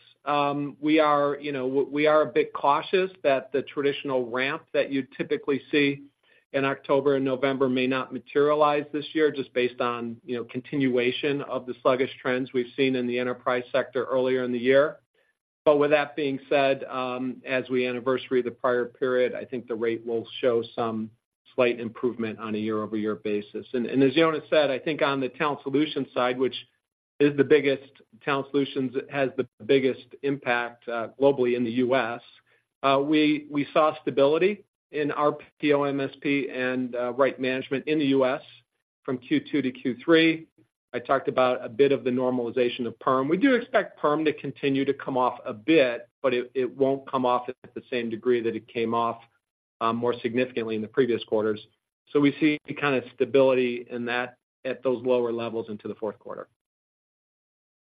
We are, you know, we are a bit cautious that the traditional ramp that you'd typically see in October and November may not materialize this year just based on, you know, continuation of the sluggish trends we've seen in the enterprise sector earlier in the year. But with that being said, as we anniversary the prior period, I think the rate will show some slight improvement on a year-over-year basis. And as Jonas said, I think on the Talent Solutions side, which is the biggest Talent Solutions, has the biggest impact globally in the U.S. We saw stability in our RPO, MSP and Right Management in the U.S. from Q2 to Q3. I talked about a bit of the normalization of perm. We do expect perm to continue to come off a bit, but it won't come off at the same degree that it came off more significantly in the previous quarters. So we see a kind of stability in that at those lower levels into the Q4.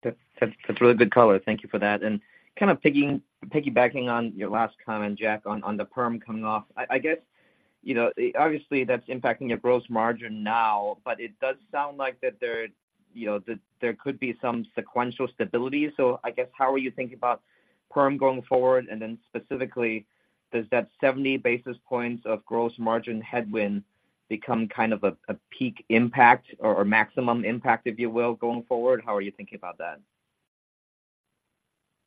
That's, that's really good color. Thank you for that. And kind of piggying, piggybacking on your last comment, Jack, on, on the perm coming off, I, I guess, you know, obviously, that's impacting your gross margin now, but it does sound like that there, you know, that there could be some sequential stability. So I guess, how are you thinking about perm going forward? And then specifically, does that 70 basis points of gross margin headwind become kind of a, a peak impact or a maximum impact, if you will, going forward? How are you thinking about that?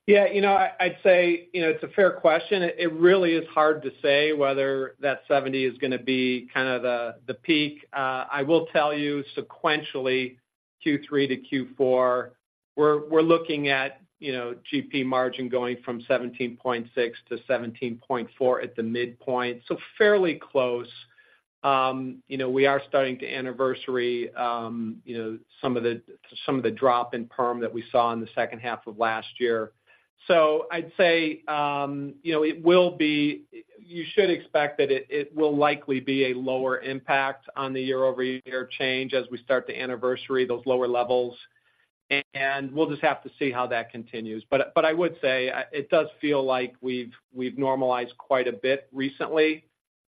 Yeah, you know, I, I'd say, you know, it's a fair question. It, it really is hard to say whether that 70 is gonna be kind of the, the peak. I will tell you sequentially, Q3 to Q4, we're, we're looking at, you know, GP margin going from 17.6%-17.4% at the midpoint, so fairly close. You know, we are starting to anniversary, you know, some of the drop in perm that we saw in the H2 of last year. So I'd say, you know, it will be, you should expect that it, it will likely be a lower impact on the year-over-year change as we start to anniversary those lower levels, and we'll just have to see how that continues. But I would say, it does feel like we've normalized quite a bit recently,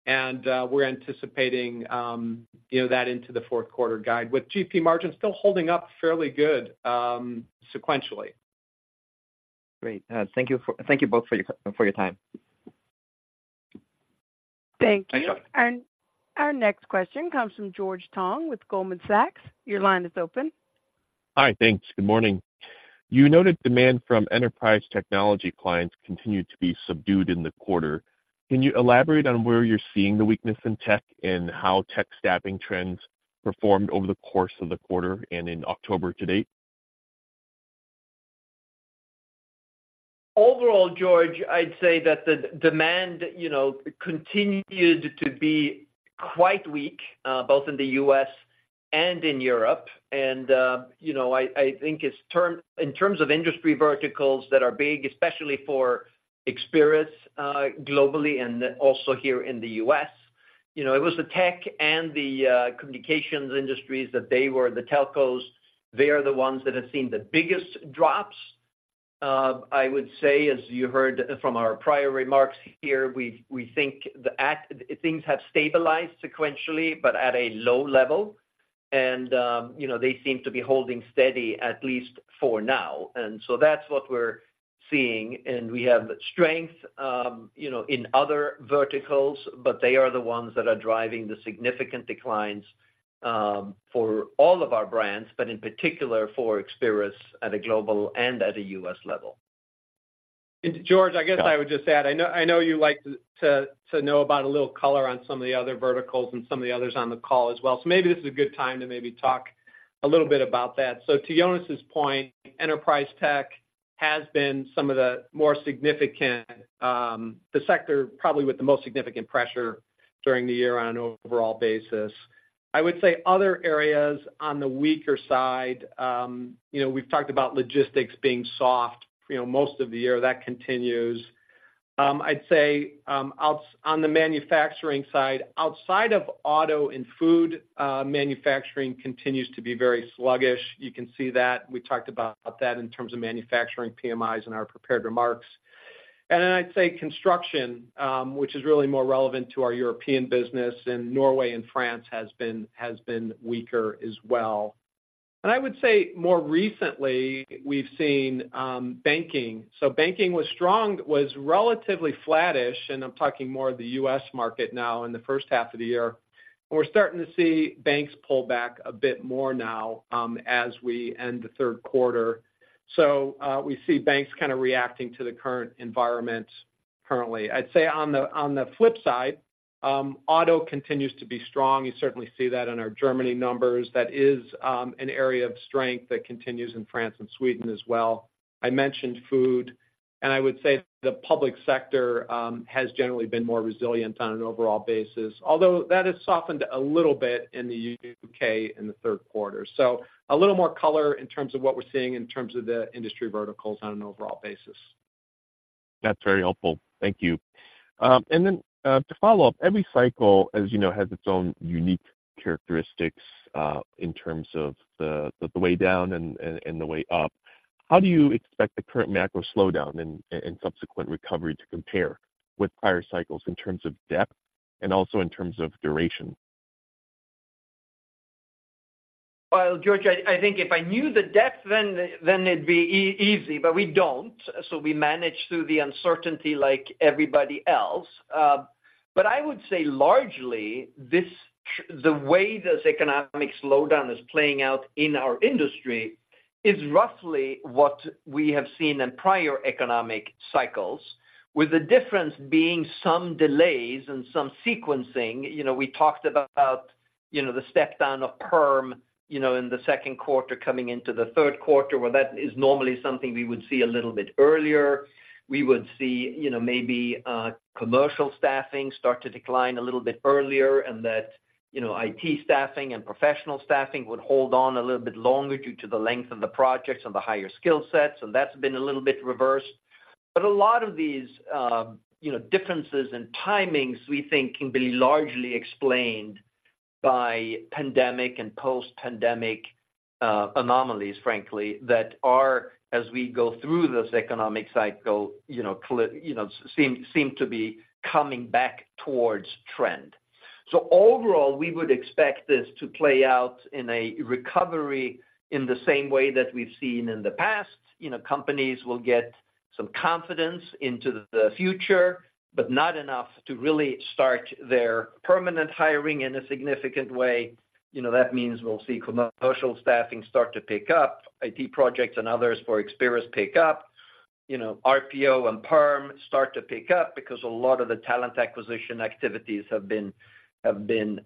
and we're anticipating, you know, that into the Q4 guide, with GP margins still holding up fairly good, sequentially. Great. Thank you both for your time. Thank you. Our next question comes from George Tong with Goldman Sachs. Your line is open. Hi. Thanks. Good morning. You noted demand from enterprise technology clients continued to be subdued in the quarter. Can you elaborate on where you're seeing the weakness in tech and how tech staffing trends performed over the course of the quarter and in October to date? Overall, George, I'd say that the demand, you know, continued to be quite weak, both in the U.S. and in Europe. You know, I think in terms of industry verticals that are big, especially for Experis, globally and also here in the U.S., you know, it was the tech and the communications industries, that they were the telcos. They are the ones that have seen the biggest drops. I would say, as you heard from our prior remarks here, we think things have stabilized sequentially, but at a low level, and, you know, they seem to be holding steady, at least for now, and so that's what we're seeing. We have strength, you know, in other verticals, but they are the ones that are driving the significant declines, for all of our brands, but in particular for Experis at a global and at a U.S. level. George, I guess I would just add, I know, I know you like to to know about a little color on some of the other verticals and some of the others on the call as well. So maybe this is a good time to maybe talk a little bit about that. So to Jonas's point, enterprise tech has been some of the more significant, the sector probably with the most significant pressure during the year on an overall basis. I would say other areas on the weaker side, you know, we've talked about logistics being soft, you know, most of the year. That continues. I'd say on the manufacturing side, outside of auto and food, manufacturing continues to be very sluggish. You can see that. We talked about that in terms of manufacturing PMIs in our prepared remarks. And then I'd say construction, which is really more relevant to our European business, and Norway and France has been weaker as well. And I would say more recently, we've seen banking. So banking was strong, was relatively flattish, and I'm talking more of the U.S. market now in the H1 of the year. And we're starting to see banks pull back a bit more now as we end the Q3. So we see banks kind of reacting to the current environment currently. I'd say on the flip side, auto continues to be strong. You certainly see that in our Germany numbers. That is an area of strength that continues in France and Sweden as well. I mentioned food, and I would say the public sector has generally been more resilient on an overall basis, although that has softened a little bit in the U.K. in the Q3. So a little more color in terms of what we're seeing in terms of the industry verticals on an overall basis. That's very helpful. Thank you. And then, to follow up, every cycle, as you know, has its own unique characteristics, in terms of the way down and the way up. How do you expect the current macro slowdown and subsequent recovery to compare with prior cycles in terms of depth and also in terms of duration? Well, George, I think if I knew the depth, then it'd be easy, but we don't, so we manage through the uncertainty like everybody else. But I would say largely, this, the way this economic slowdown is playing out in our industry is roughly what we have seen in prior economic cycles, with the difference being some delays and some sequencing. You know, we talked about, you know, the step-down of perm, you know, in the Q2 coming into the Q3, where that is normally something we would see a little bit earlier. We would see, you know, maybe, commercial staffing start to decline a little bit earlier, and that, you know, IT staffing and professional staffing would hold on a little bit longer due to the length of the projects and the higher skill sets, and that's been a little bit reversed. But a lot of these, you know, differences in timings, we think, can be largely explained by pandemic and post-pandemic anomalies, frankly, that are, as we go through this economic cycle, you know, seem to be coming back towards trend. So overall, we would expect this to play out in a recovery in the same way that we've seen in the past. You know, companies will get some confidence into the future, but not enough to really start their permanent hiring in a significant way. You know, that means we'll see commercial staffing start to pick up, IT projects and others for Experis pick up. You know, RPO and perm start to pick up because a lot of the talent acquisition activities have been changed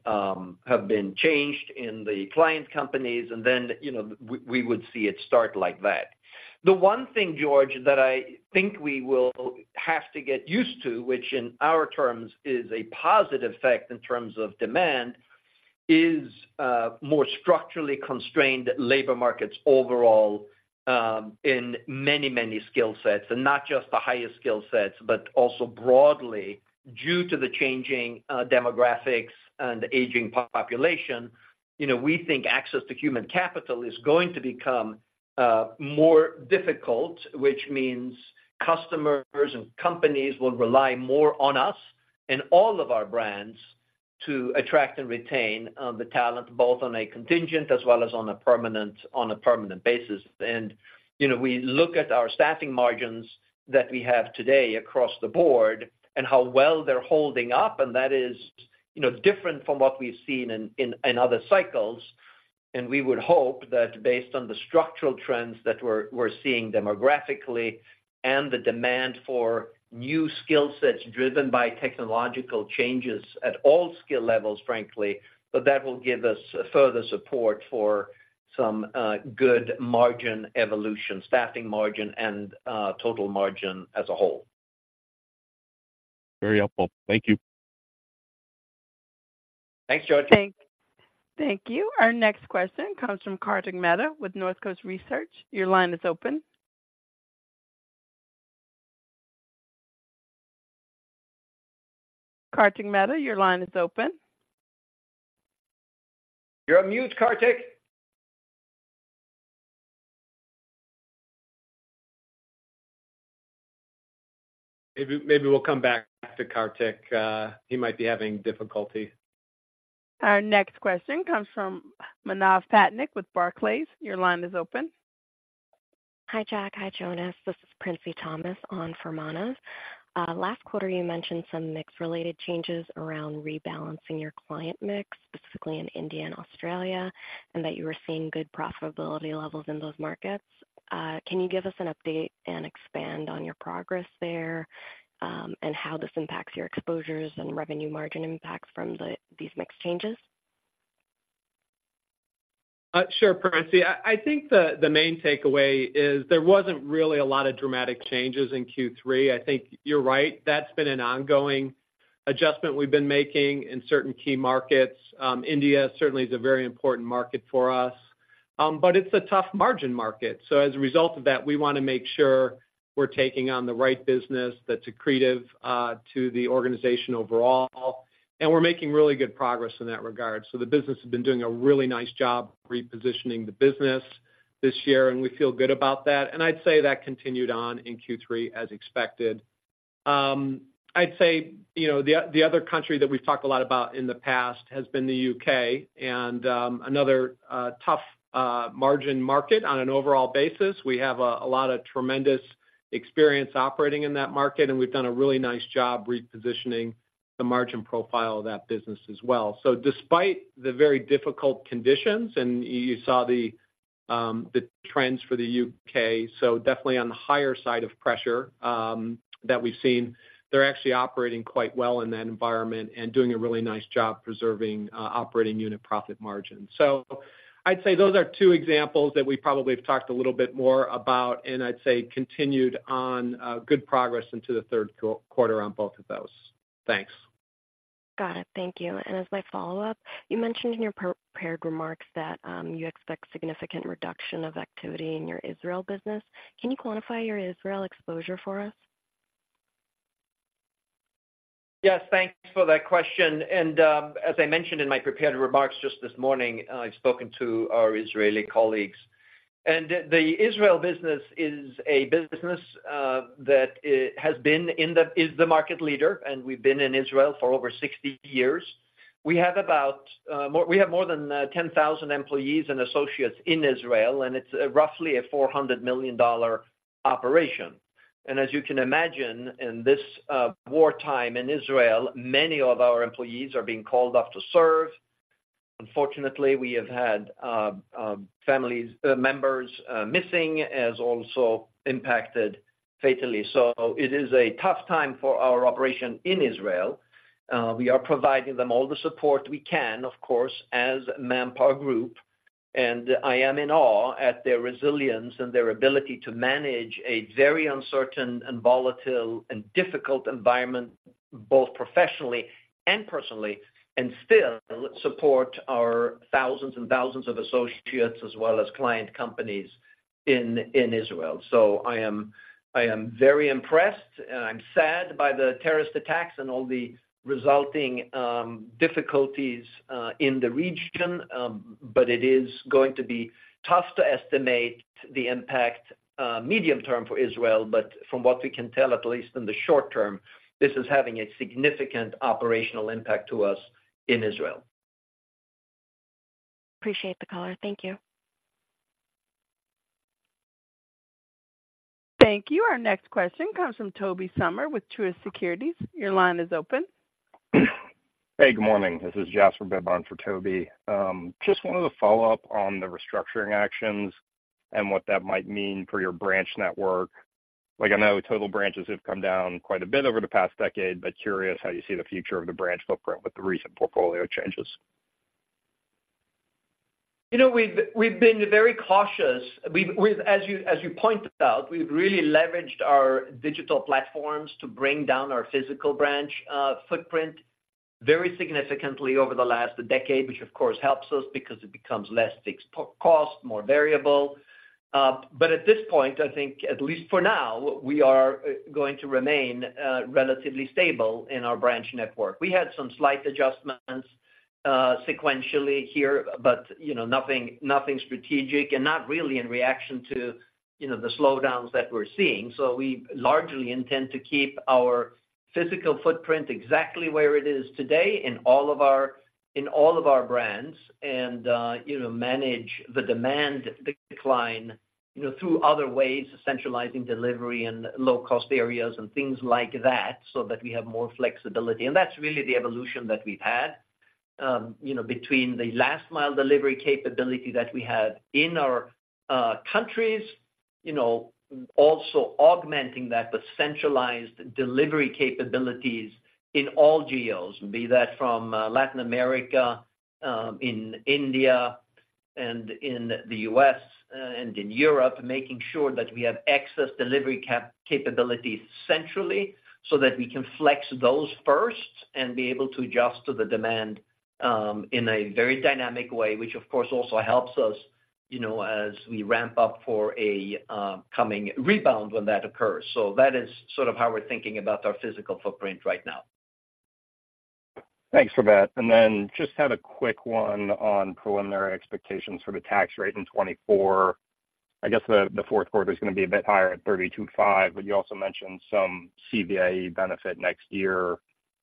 in the client companies, and then, you know, we would see it start like that. The one thing, George, that I think we will have to get used to, which in our terms is a positive effect in terms of demand, is more structurally constrained labor markets overall in many skill sets, and not just the highest skill sets, but also broadly due to the changing demographics and aging population. You know, we think access to human capital is going to become more difficult, which means customers and companies will rely more on us and all of our brands to attract and retain the talent, both on a contingent as well as on a permanent, on a permanent basis. And, you know, we look at our staffing margins that we have today across the board and how well they're holding up, and that is, you know, different from what we've seen in other cycles. And we would hope that based on the structural trends that we're seeing demographically and the demand for new skill sets driven by technological changes at all skill levels, frankly, but that will give us further support for some good margin evolution, staffing margin and total margin as a whole. Very helpful. Thank you. Thanks, George. Thank you. Our next question comes from Kartik Mehta with North Coast Research. Your line is open. Kartik Mehta, your line is open. You're on mute, Kartik. Maybe, maybe we'll come back to Kartik. He might be having difficulty. Our next question comes from Manav Patnaik with Barclays. Your line is open. Hi, Jack. Hi, Jonas. This is Princy Thomas on for Manav. Last quarter, you mentioned some mix-related changes around rebalancing your client mix, specifically in India and Australia, and that you were seeing good profitability levels in those markets. Can you give us an update and expand on your progress there, and how this impacts your exposures and revenue margin impacts from these mix changes? Sure, Princy. I think the main takeaway is there wasn't really a lot of dramatic changes in Q3. I think you're right, that's been an ongoing adjustment we've been making in certain key markets. India certainly is a very important market for us, but it's a tough margin market. So as a result of that, we want to make sure we're taking on the right business that's accretive to the organization overall, and we're making really good progress in that regard. So the business has been doing a really nice job repositioning the business this year, and we feel good about that, and I'd say that continued on in Q3 as expected. I'd say, you know, the other country that we've talked a lot about in the past has been the U.K. and another tough margin market on an overall basis. We have a lot of tremendous experience operating in that market, and we've done a really nice job repositioning the margin profile of that business as well. So despite the very difficult conditions, and you saw the trends for the U.K., so definitely on the higher side of pressure that we've seen, they're actually operating quite well in that environment and doing a really nice job preserving operating unit profit margin. So I'd say those are two examples that we probably have talked a little bit more about, and I'd say continued on good progress into the Q3 on both of those. Thanks. Got it. Thank you. As my follow-up, you mentioned in your prepared remarks that you expect significant reduction of activity in your Israel business. Can you quantify your Israel exposure for us? Yes, thanks for that question. As I mentioned in my prepared remarks just this morning, I've spoken to our Israeli colleagues. The Israel business is a business that is the market leader, and we've been in Israel for over 60 years. We have more than 10,000 employees and associates in Israel, and it's roughly a $400 million operation. As you can imagine, in this wartime in Israel, many of our employees are being called up to serve. Unfortunately, we have had family members missing, has also impacted fatally. So it is a tough time for our operation in Israel. We are providing them all the support we can, of course, as ManpowerGroup, and I am in awe at their resilience and their ability to manage a very uncertain and volatile and difficult environment, both professionally and personally, and still support our thousands and thousands of associates as well as client companies in, in Israel. So I am, I am very impressed, and I'm sad by the terrorist attacks and all the resulting difficulties in the region, but it is going to be tough to estimate the impact medium-term for Israel, but from what we can tell, at least in the short-term, this is having a significant operational impact to us in Israel. Appreciate the color. Thank you. Thank you. Our next question comes from Toby Sommer with Truist Securities. Your line is open. Hey, good morning. This is Jasper Bibb on for Toby. Just wanted to follow up on the restructuring actions and what that might mean for your branch network. Like, I know, total branches have come down quite a bit over the past decade, but curious how you see the future of the branch footprint with the recent portfolio changes. You know, we've been very cautious. As you pointed out, we've really leveraged our digital platforms to bring down our physical branch footprint very significantly over the last decade, which, of course, helps us because it becomes less fixed cost, more variable. But at this point, I think, at least for now, we are going to remain relatively stable in our branch network. We had some slight adjustments sequentially here, but, you know, nothing, nothing strategic and not really in reaction to, you know, the slowdowns that we're seeing. So we largely intend to keep our physical footprint exactly where it is today in all of our brands, and, you know, manage the demand decline, you know, through other ways, centralizing delivery and low-cost areas and things like that, so that we have more flexibility. That's really the evolution that we've had, you know, between the last mile delivery capability that we had in our countries, you know, also augmenting that, the centralized delivery capabilities in all geos, be that from Latin America, in India and in the U.S., and in Europe, making sure that we have excess delivery capabilities centrally, so that we can flex those first and be able to adjust to the demand, in a very dynamic way, which, of course, also helps us, you know, as we ramp up for a coming rebound when that occurs. So that is sort of how we're thinking about our physical footprint right now. Thanks for that. Then just had a quick one on preliminary expectations for the tax rate in 2024. I guess the Q4 is gonna be a bit higher at 32.5, but you also mentioned some CVAE benefit next year.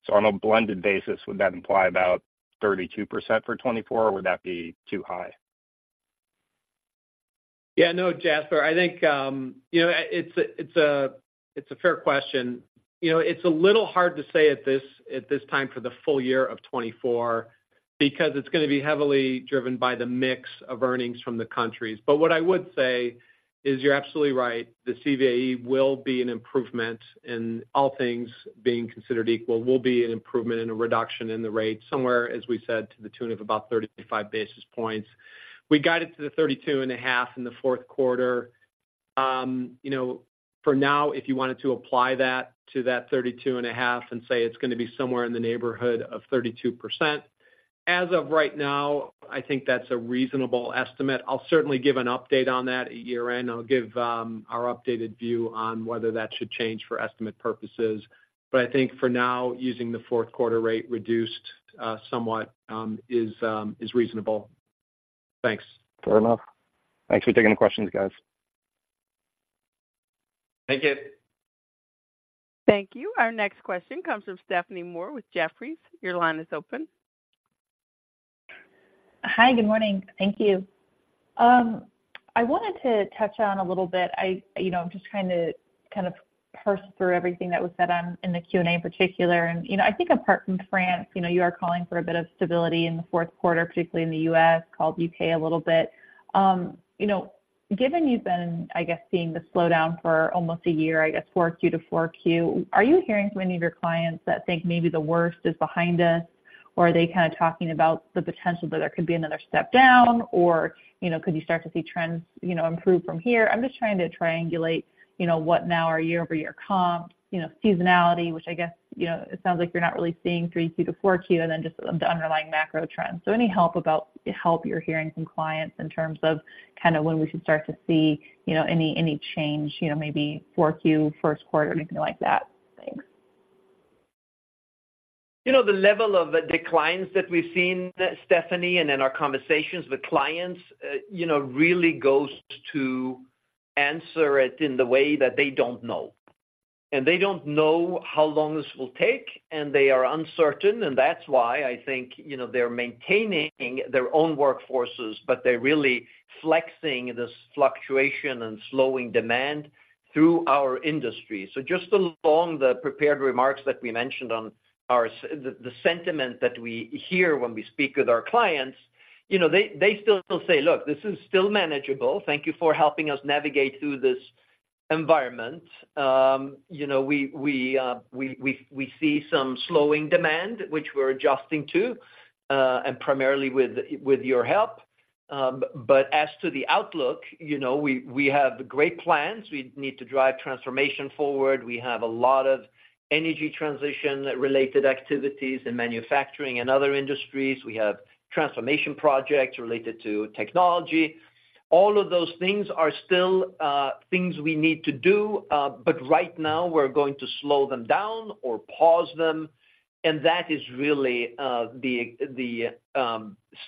So on a blended basis, would that imply about 32% for 2024, or would that be too high? Yeah, no, Jasper, I think, you know, it's a fair question. You know, it's a little hard to say at this time for the full year of 2024, because it's gonna be heavily driven by the mix of earnings from the countries. But what I would say is, you're absolutely right, the CVAE will be an improvement, and all things being considered equal, will be an improvement and a reduction in the rate, somewhere, as we said, to the tune of about 35 basis points. We got it to the 32.5 in the Q4. You know, for now, if you wanted to apply that to that 32.5 and say it's gonna be somewhere in the neighborhood of 32%, as of right now, I think that's a reasonable estimate. I'll certainly give an update on that at year-end. I'll give our updated view on whether that should change for estimate purposes. But I think for now, using the Q4 rate reduced somewhat is reasonable. Thanks. Fair enough. Thanks for taking the questions, guys. Thank you. Thank you. Our next question comes from Stephanie Moore with Jefferies. Your line is open. Hi, good morning. Thank you. I wanted to touch on a little bit, you know, I'm just trying to kind of parse through everything that was said on, in the Q&A in particular. You know, I think apart from France, you know, you are calling for a bit of stability in the Q4, particularly in the U.S., called U.K. a little bit. You know, given you've been, I guess, seeing the slowdown for almost a year, I guess 4Q to 4Q, are you hearing from any of your clients that think maybe the worst is behind us? Or are they kind of talking about the potential that there could be another step down, or, you know, could you start to see trends, you know, improve from here? I'm just trying to triangulate, you know, what now are year-over-year comp, you know, seasonality, which I guess, you know, it sounds like you're not really seeing 3Q to 4Q, and then just the underlying macro trends. So any help about help you're hearing from clients in terms of kind of when we should start to see, you know, any, any change, you know, maybe 4Q, Q1, anything like that? Thanks. You know, the level of declines that we've seen, Stephanie, and in our conversations with clients, you know, really goes to answer it in the way that they don't know. And they don't know how long this will take, and they are uncertain, and that's why I think, you know, they're maintaining their own workforces, but they're really flexing this fluctuation and slowing demand through our industry. So just along the prepared remarks that we mentioned on our—the sentiment that we hear when we speak with our clients, you know, they still say: Look, this is still manageable. Thank you for helping us navigate through this environment. You know, we see some slowing demand, which we're adjusting to, and primarily with your help. But as to the outlook, you know, we have great plans. We need to drive transformation forward. We have a lot of energy transition-related activities in manufacturing and other industries. We have transformation projects related to technology. All of those things are still things we need to do, but right now we're going to slow them down or pause them, and that is really the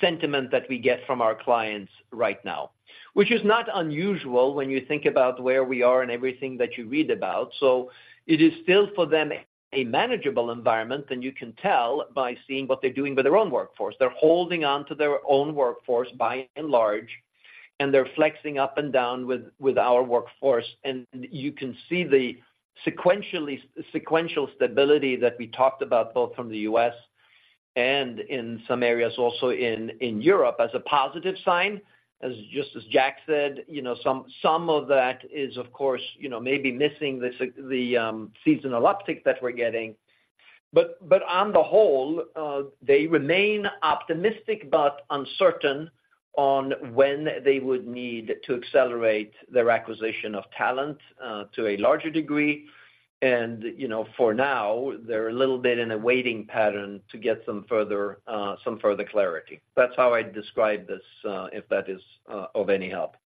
sentiment that we get from our clients right now. Which is not unusual when you think about where we are and everything that you read about. So it is still, for them, a manageable environment, and you can tell by seeing what they're doing with their own workforce. They're holding on to their own workforce, by and large, and they're flexing up and down with our workforce. You can see the sequential stability that we talked about, both from the U.S. and in some areas also in Europe, as a positive sign. Just as Jack said, you know, some of that is, of course, you know, maybe missing the seasonal uptick that we're getting. But on the whole, they remain optimistic but uncertain on when they would need to accelerate their acquisition of talent to a larger degree. And, you know, for now, they're a little bit in a waiting pattern to get some further clarity. That's how I'd describe this, if that is of any help.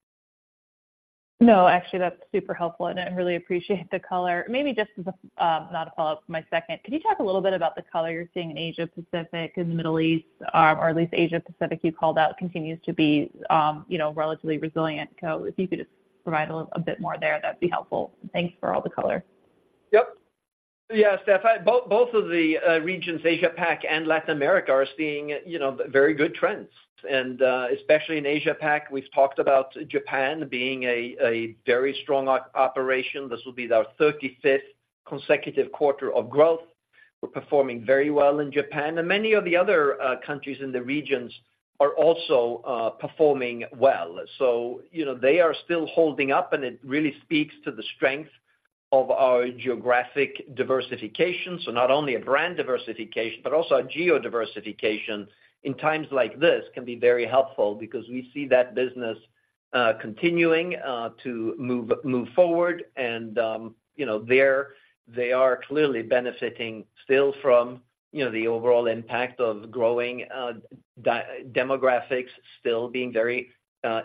No, actually, that's super helpful, and I really appreciate the color. Maybe just as a, not a follow-up, my second. Can you talk a little bit about the color you're seeing in Asia Pacific and the Middle East? Or at least Asia Pacific, you called out, continues to be, you know, relatively resilient. So if you could just provide a bit more there, that'd be helpful. Thanks for all the color. Yep. Yeah, Steph, both of the regions, Asia Pac and Latin America, are seeing, you know, very good trends. And especially in Asia Pac, we've talked about Japan being a very strong operation. This will be our 35th consecutive quarter of growth. We're performing very well in Japan, and many of the other countries in the regions are also performing well. So, you know, they are still holding up, and it really speaks to the strength of our geographic diversification. So not only a brand diversification, but also a geo-diversification in times like this, can be very helpful because we see that business continuing to move forward. And, you know, they are clearly benefiting still from, you know, the overall impact of growing demographics, still being very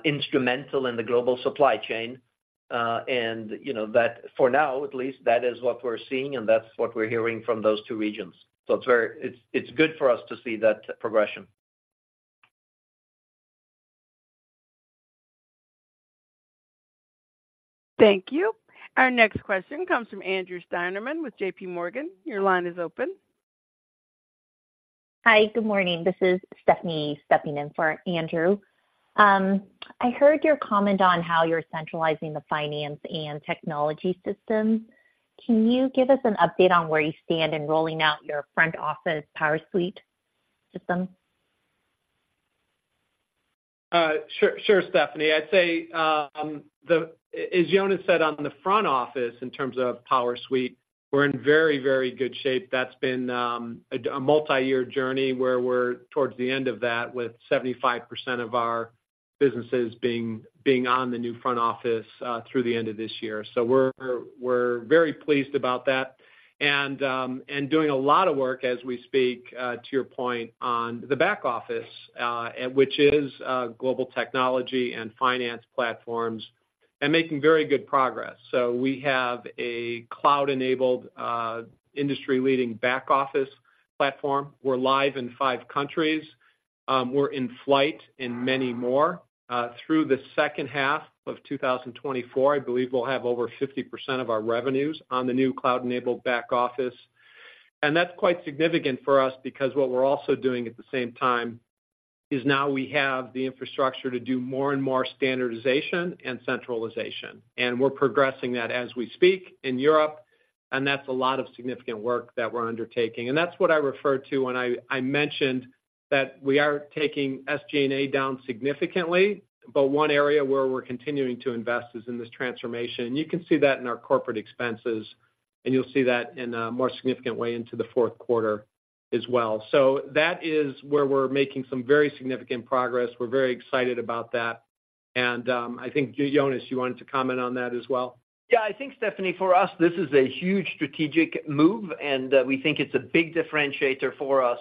instrumental in the global supply chain. You know, that for now, at least, that is what we're seeing, and that's what we're hearing from those two regions. So it's very... it's good for us to see that progression. Thank you. Our next question comes from Andrew Steinerman with JP Morgan. Your line is open. Hi, good morning. This is Stephanie stepping in for Andrew. I heard your comment on how you're centralizing the finance and technology systems. Can you give us an update on where you stand in rolling out your front-office PowerSuite system? Sure, sure, Stephanie. I'd say, as Jonas said, on the front office, in terms of PowerSuite, we're in very, very good shape. That's been a multiyear journey, where we're towards the end of that, with 75% of our businesses being on the new front office through the end of this year. So we're very pleased about that. Doing a lot of work as we speak to your point on the back office, which is global technology and finance platforms, and making very good progress. So we have a cloud-enabled industry-leading back office platform. We're live in five countries. We're in flight in many more. Through the H2 of 2024, I believe we'll have over 50% of our revenues on the new cloud-enabled back office. That's quite significant for us because what we're also doing at the same time is now we have the infrastructure to do more and more standardization and centralization, and we're progressing that as we speak in Europe, and that's a lot of significant work that we're undertaking. And that's what I referred to when I, I mentioned that we are taking SG&A down significantly, but one area where we're continuing to invest is in this transformation. And you can see that in our corporate expenses, and you'll see that in a more significant way into the Q4 as well. So that is where we're making some very significant progress. We're very excited about that, and I think, Jonas, you wanted to comment on that as well. Yeah. I think, Stephanie, for us, this is a huge strategic move, and we think it's a big differentiator for us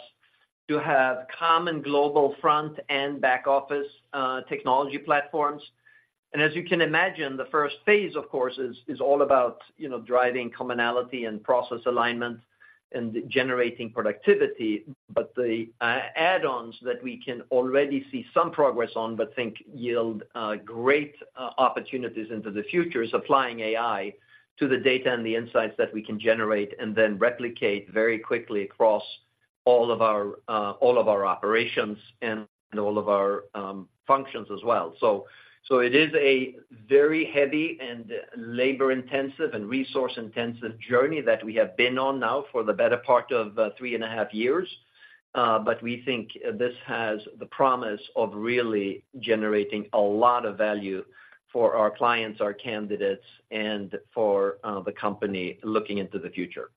to have common global front- and back-office technology platforms. And as you can imagine, the first phase, of course, is all about, you know, driving commonality and process alignment and generating productivity. But the add-ons that we can already see some progress on, but think yield great opportunities into the future, is applying AI to the data and the insights that we can generate, and then replicate very quickly across all of our operations and all of our functions as well. So it is a very heavy and labor-intensive and resource-intensive journey that we have been on now for the better part of three and a half years. But we think this has the promise of really generating a lot of value for our clients, our candidates, and for the company looking into the future.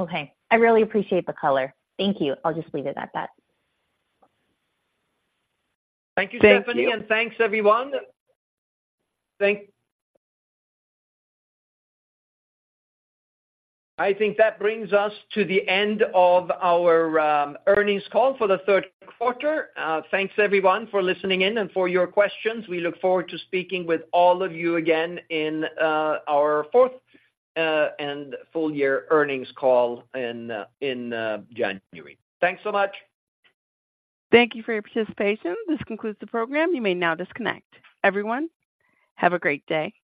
Okay, I really appreciate the color. Thank you. I'll just leave it at that. Thank you, Stephanie. Thank you. And thanks, everyone. I think that brings us to the end of our earnings call for the Q3. Thanks, everyone, for listening in and for your questions. We look forward to speaking with all of you again in our fourth and full-year earnings call in January. Thanks so much. Thank you for your participation. This concludes the program. You may now disconnect. Everyone, have a great day.